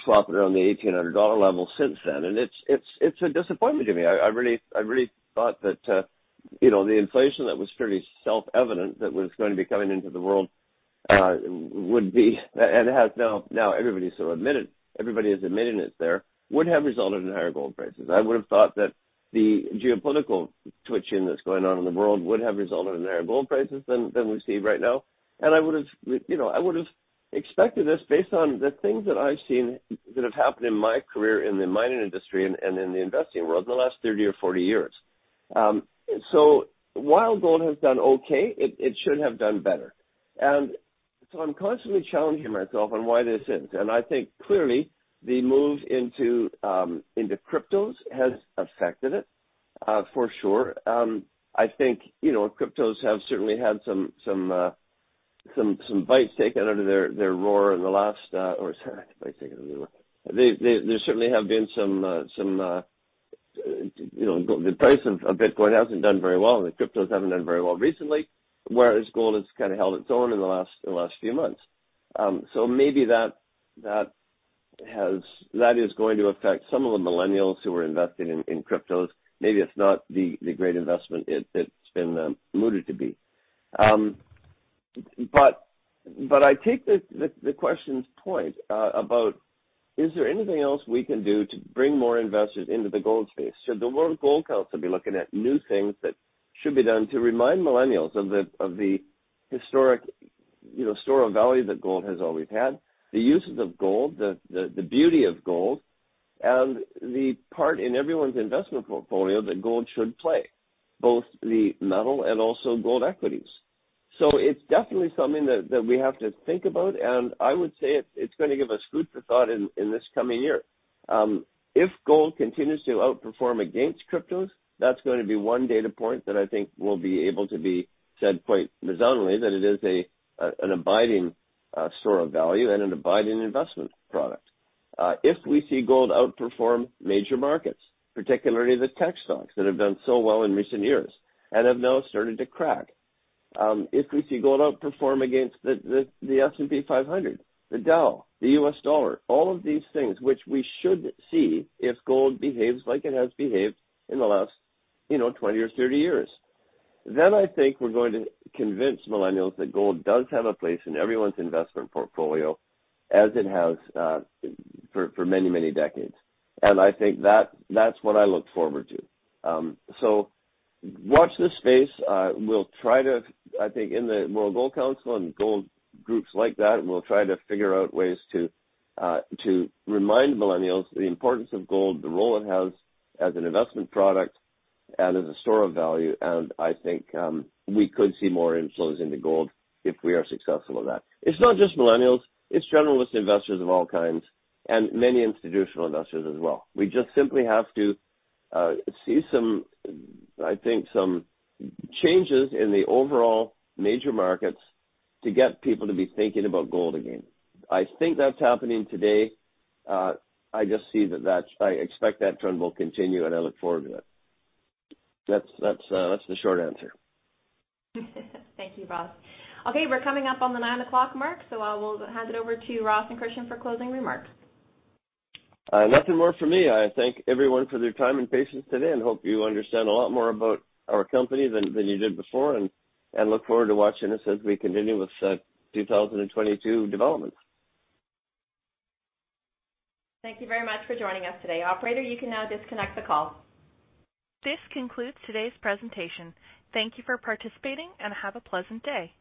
flopping around the $1,800 level since then. It's a disappointment to me. I really thought that, you know, the inflation that was fairly self-evident that was gonna be coming into the world, would be and has now, everybody is admitting it's there, would have resulted in higher gold prices. I would have thought that the geopolitical twitching that's going on in the world would have resulted in higher gold prices than we see right now. I would have, you know, expected this based on the things that I've seen that have happened in my career in the mining industry and in the investing world in the last 30 or 40 years. While gold has done okay, it should have done better. I'm constantly challenging myself on why this isn't. I think clearly the move into cryptos has affected it, for sure. I think, you know, cryptos have certainly had some bites taken out of their roar in the last, or bites taken out of their roar. There certainly have been some, you know, the price of Bitcoin hasn't done very well, and the cryptos haven't done very well recently, whereas gold has kinda held its own in the last few months. So maybe that has that is going to affect some of the millennials who are investing in cryptos. Maybe it's not the great investment it's been mooted to be. I take the question's point about is there anything else we can do to bring more investors into the gold space? Should the World Gold Council be looking at new things that should be done to remind millennials of the historic, you know, store of value that gold has always had, the uses of gold, the beauty of gold, and the part in everyone's investment portfolio that gold should play, both the metal and also gold equities. It's definitely something that we have to think about, and I would say it's gonna give us food for thought in this coming year. If gold continues to outperform against cryptos, that's gonna be one data point that I think will be able to be said quite reasonably that it is a an abiding store of value and an abiding investment product. If we see gold outperform major markets, particularly the tech stocks that have done so well in recent years and have now started to crack, if we see gold outperform against the S&P 500, the Dow, the U.S. dollar, all of these things which we should see if gold behaves like it has behaved in the last, you know, 20 or 30 years, then I think we're going to convince millennials that gold does have a place in everyone's investment portfolio as it has for many decades. I think that's what I look forward to. Watch this space. I think in the World Gold Council and gold groups like that, we'll try to figure out ways to remind millennials the importance of gold, the role it has as an investment product and as a store of value. I think we could see more inflows into gold if we are successful at that. It's not just millennials, it's generalist investors of all kinds and many institutional investors as well. We just simply have to see some changes in the overall major markets to get people to be thinking about gold again. I think that's happening today. I just see that. I expect that trend will continue, and I look forward to that. That's the short answer. Thank you, Ross. Okay, we're coming up on the nine o'clock mark, so I will hand it over to Ross and Christian for closing remarks. Nothing more from me. I thank everyone for their time and patience today, and hope you understand a lot more about our company than you did before, and look forward to watching us as we continue with 2022 developments. Thank you very much for joining us today. Operator, you can now disconnect the call. This concludes today's presentation. Thank you for participating and have a pleasant day.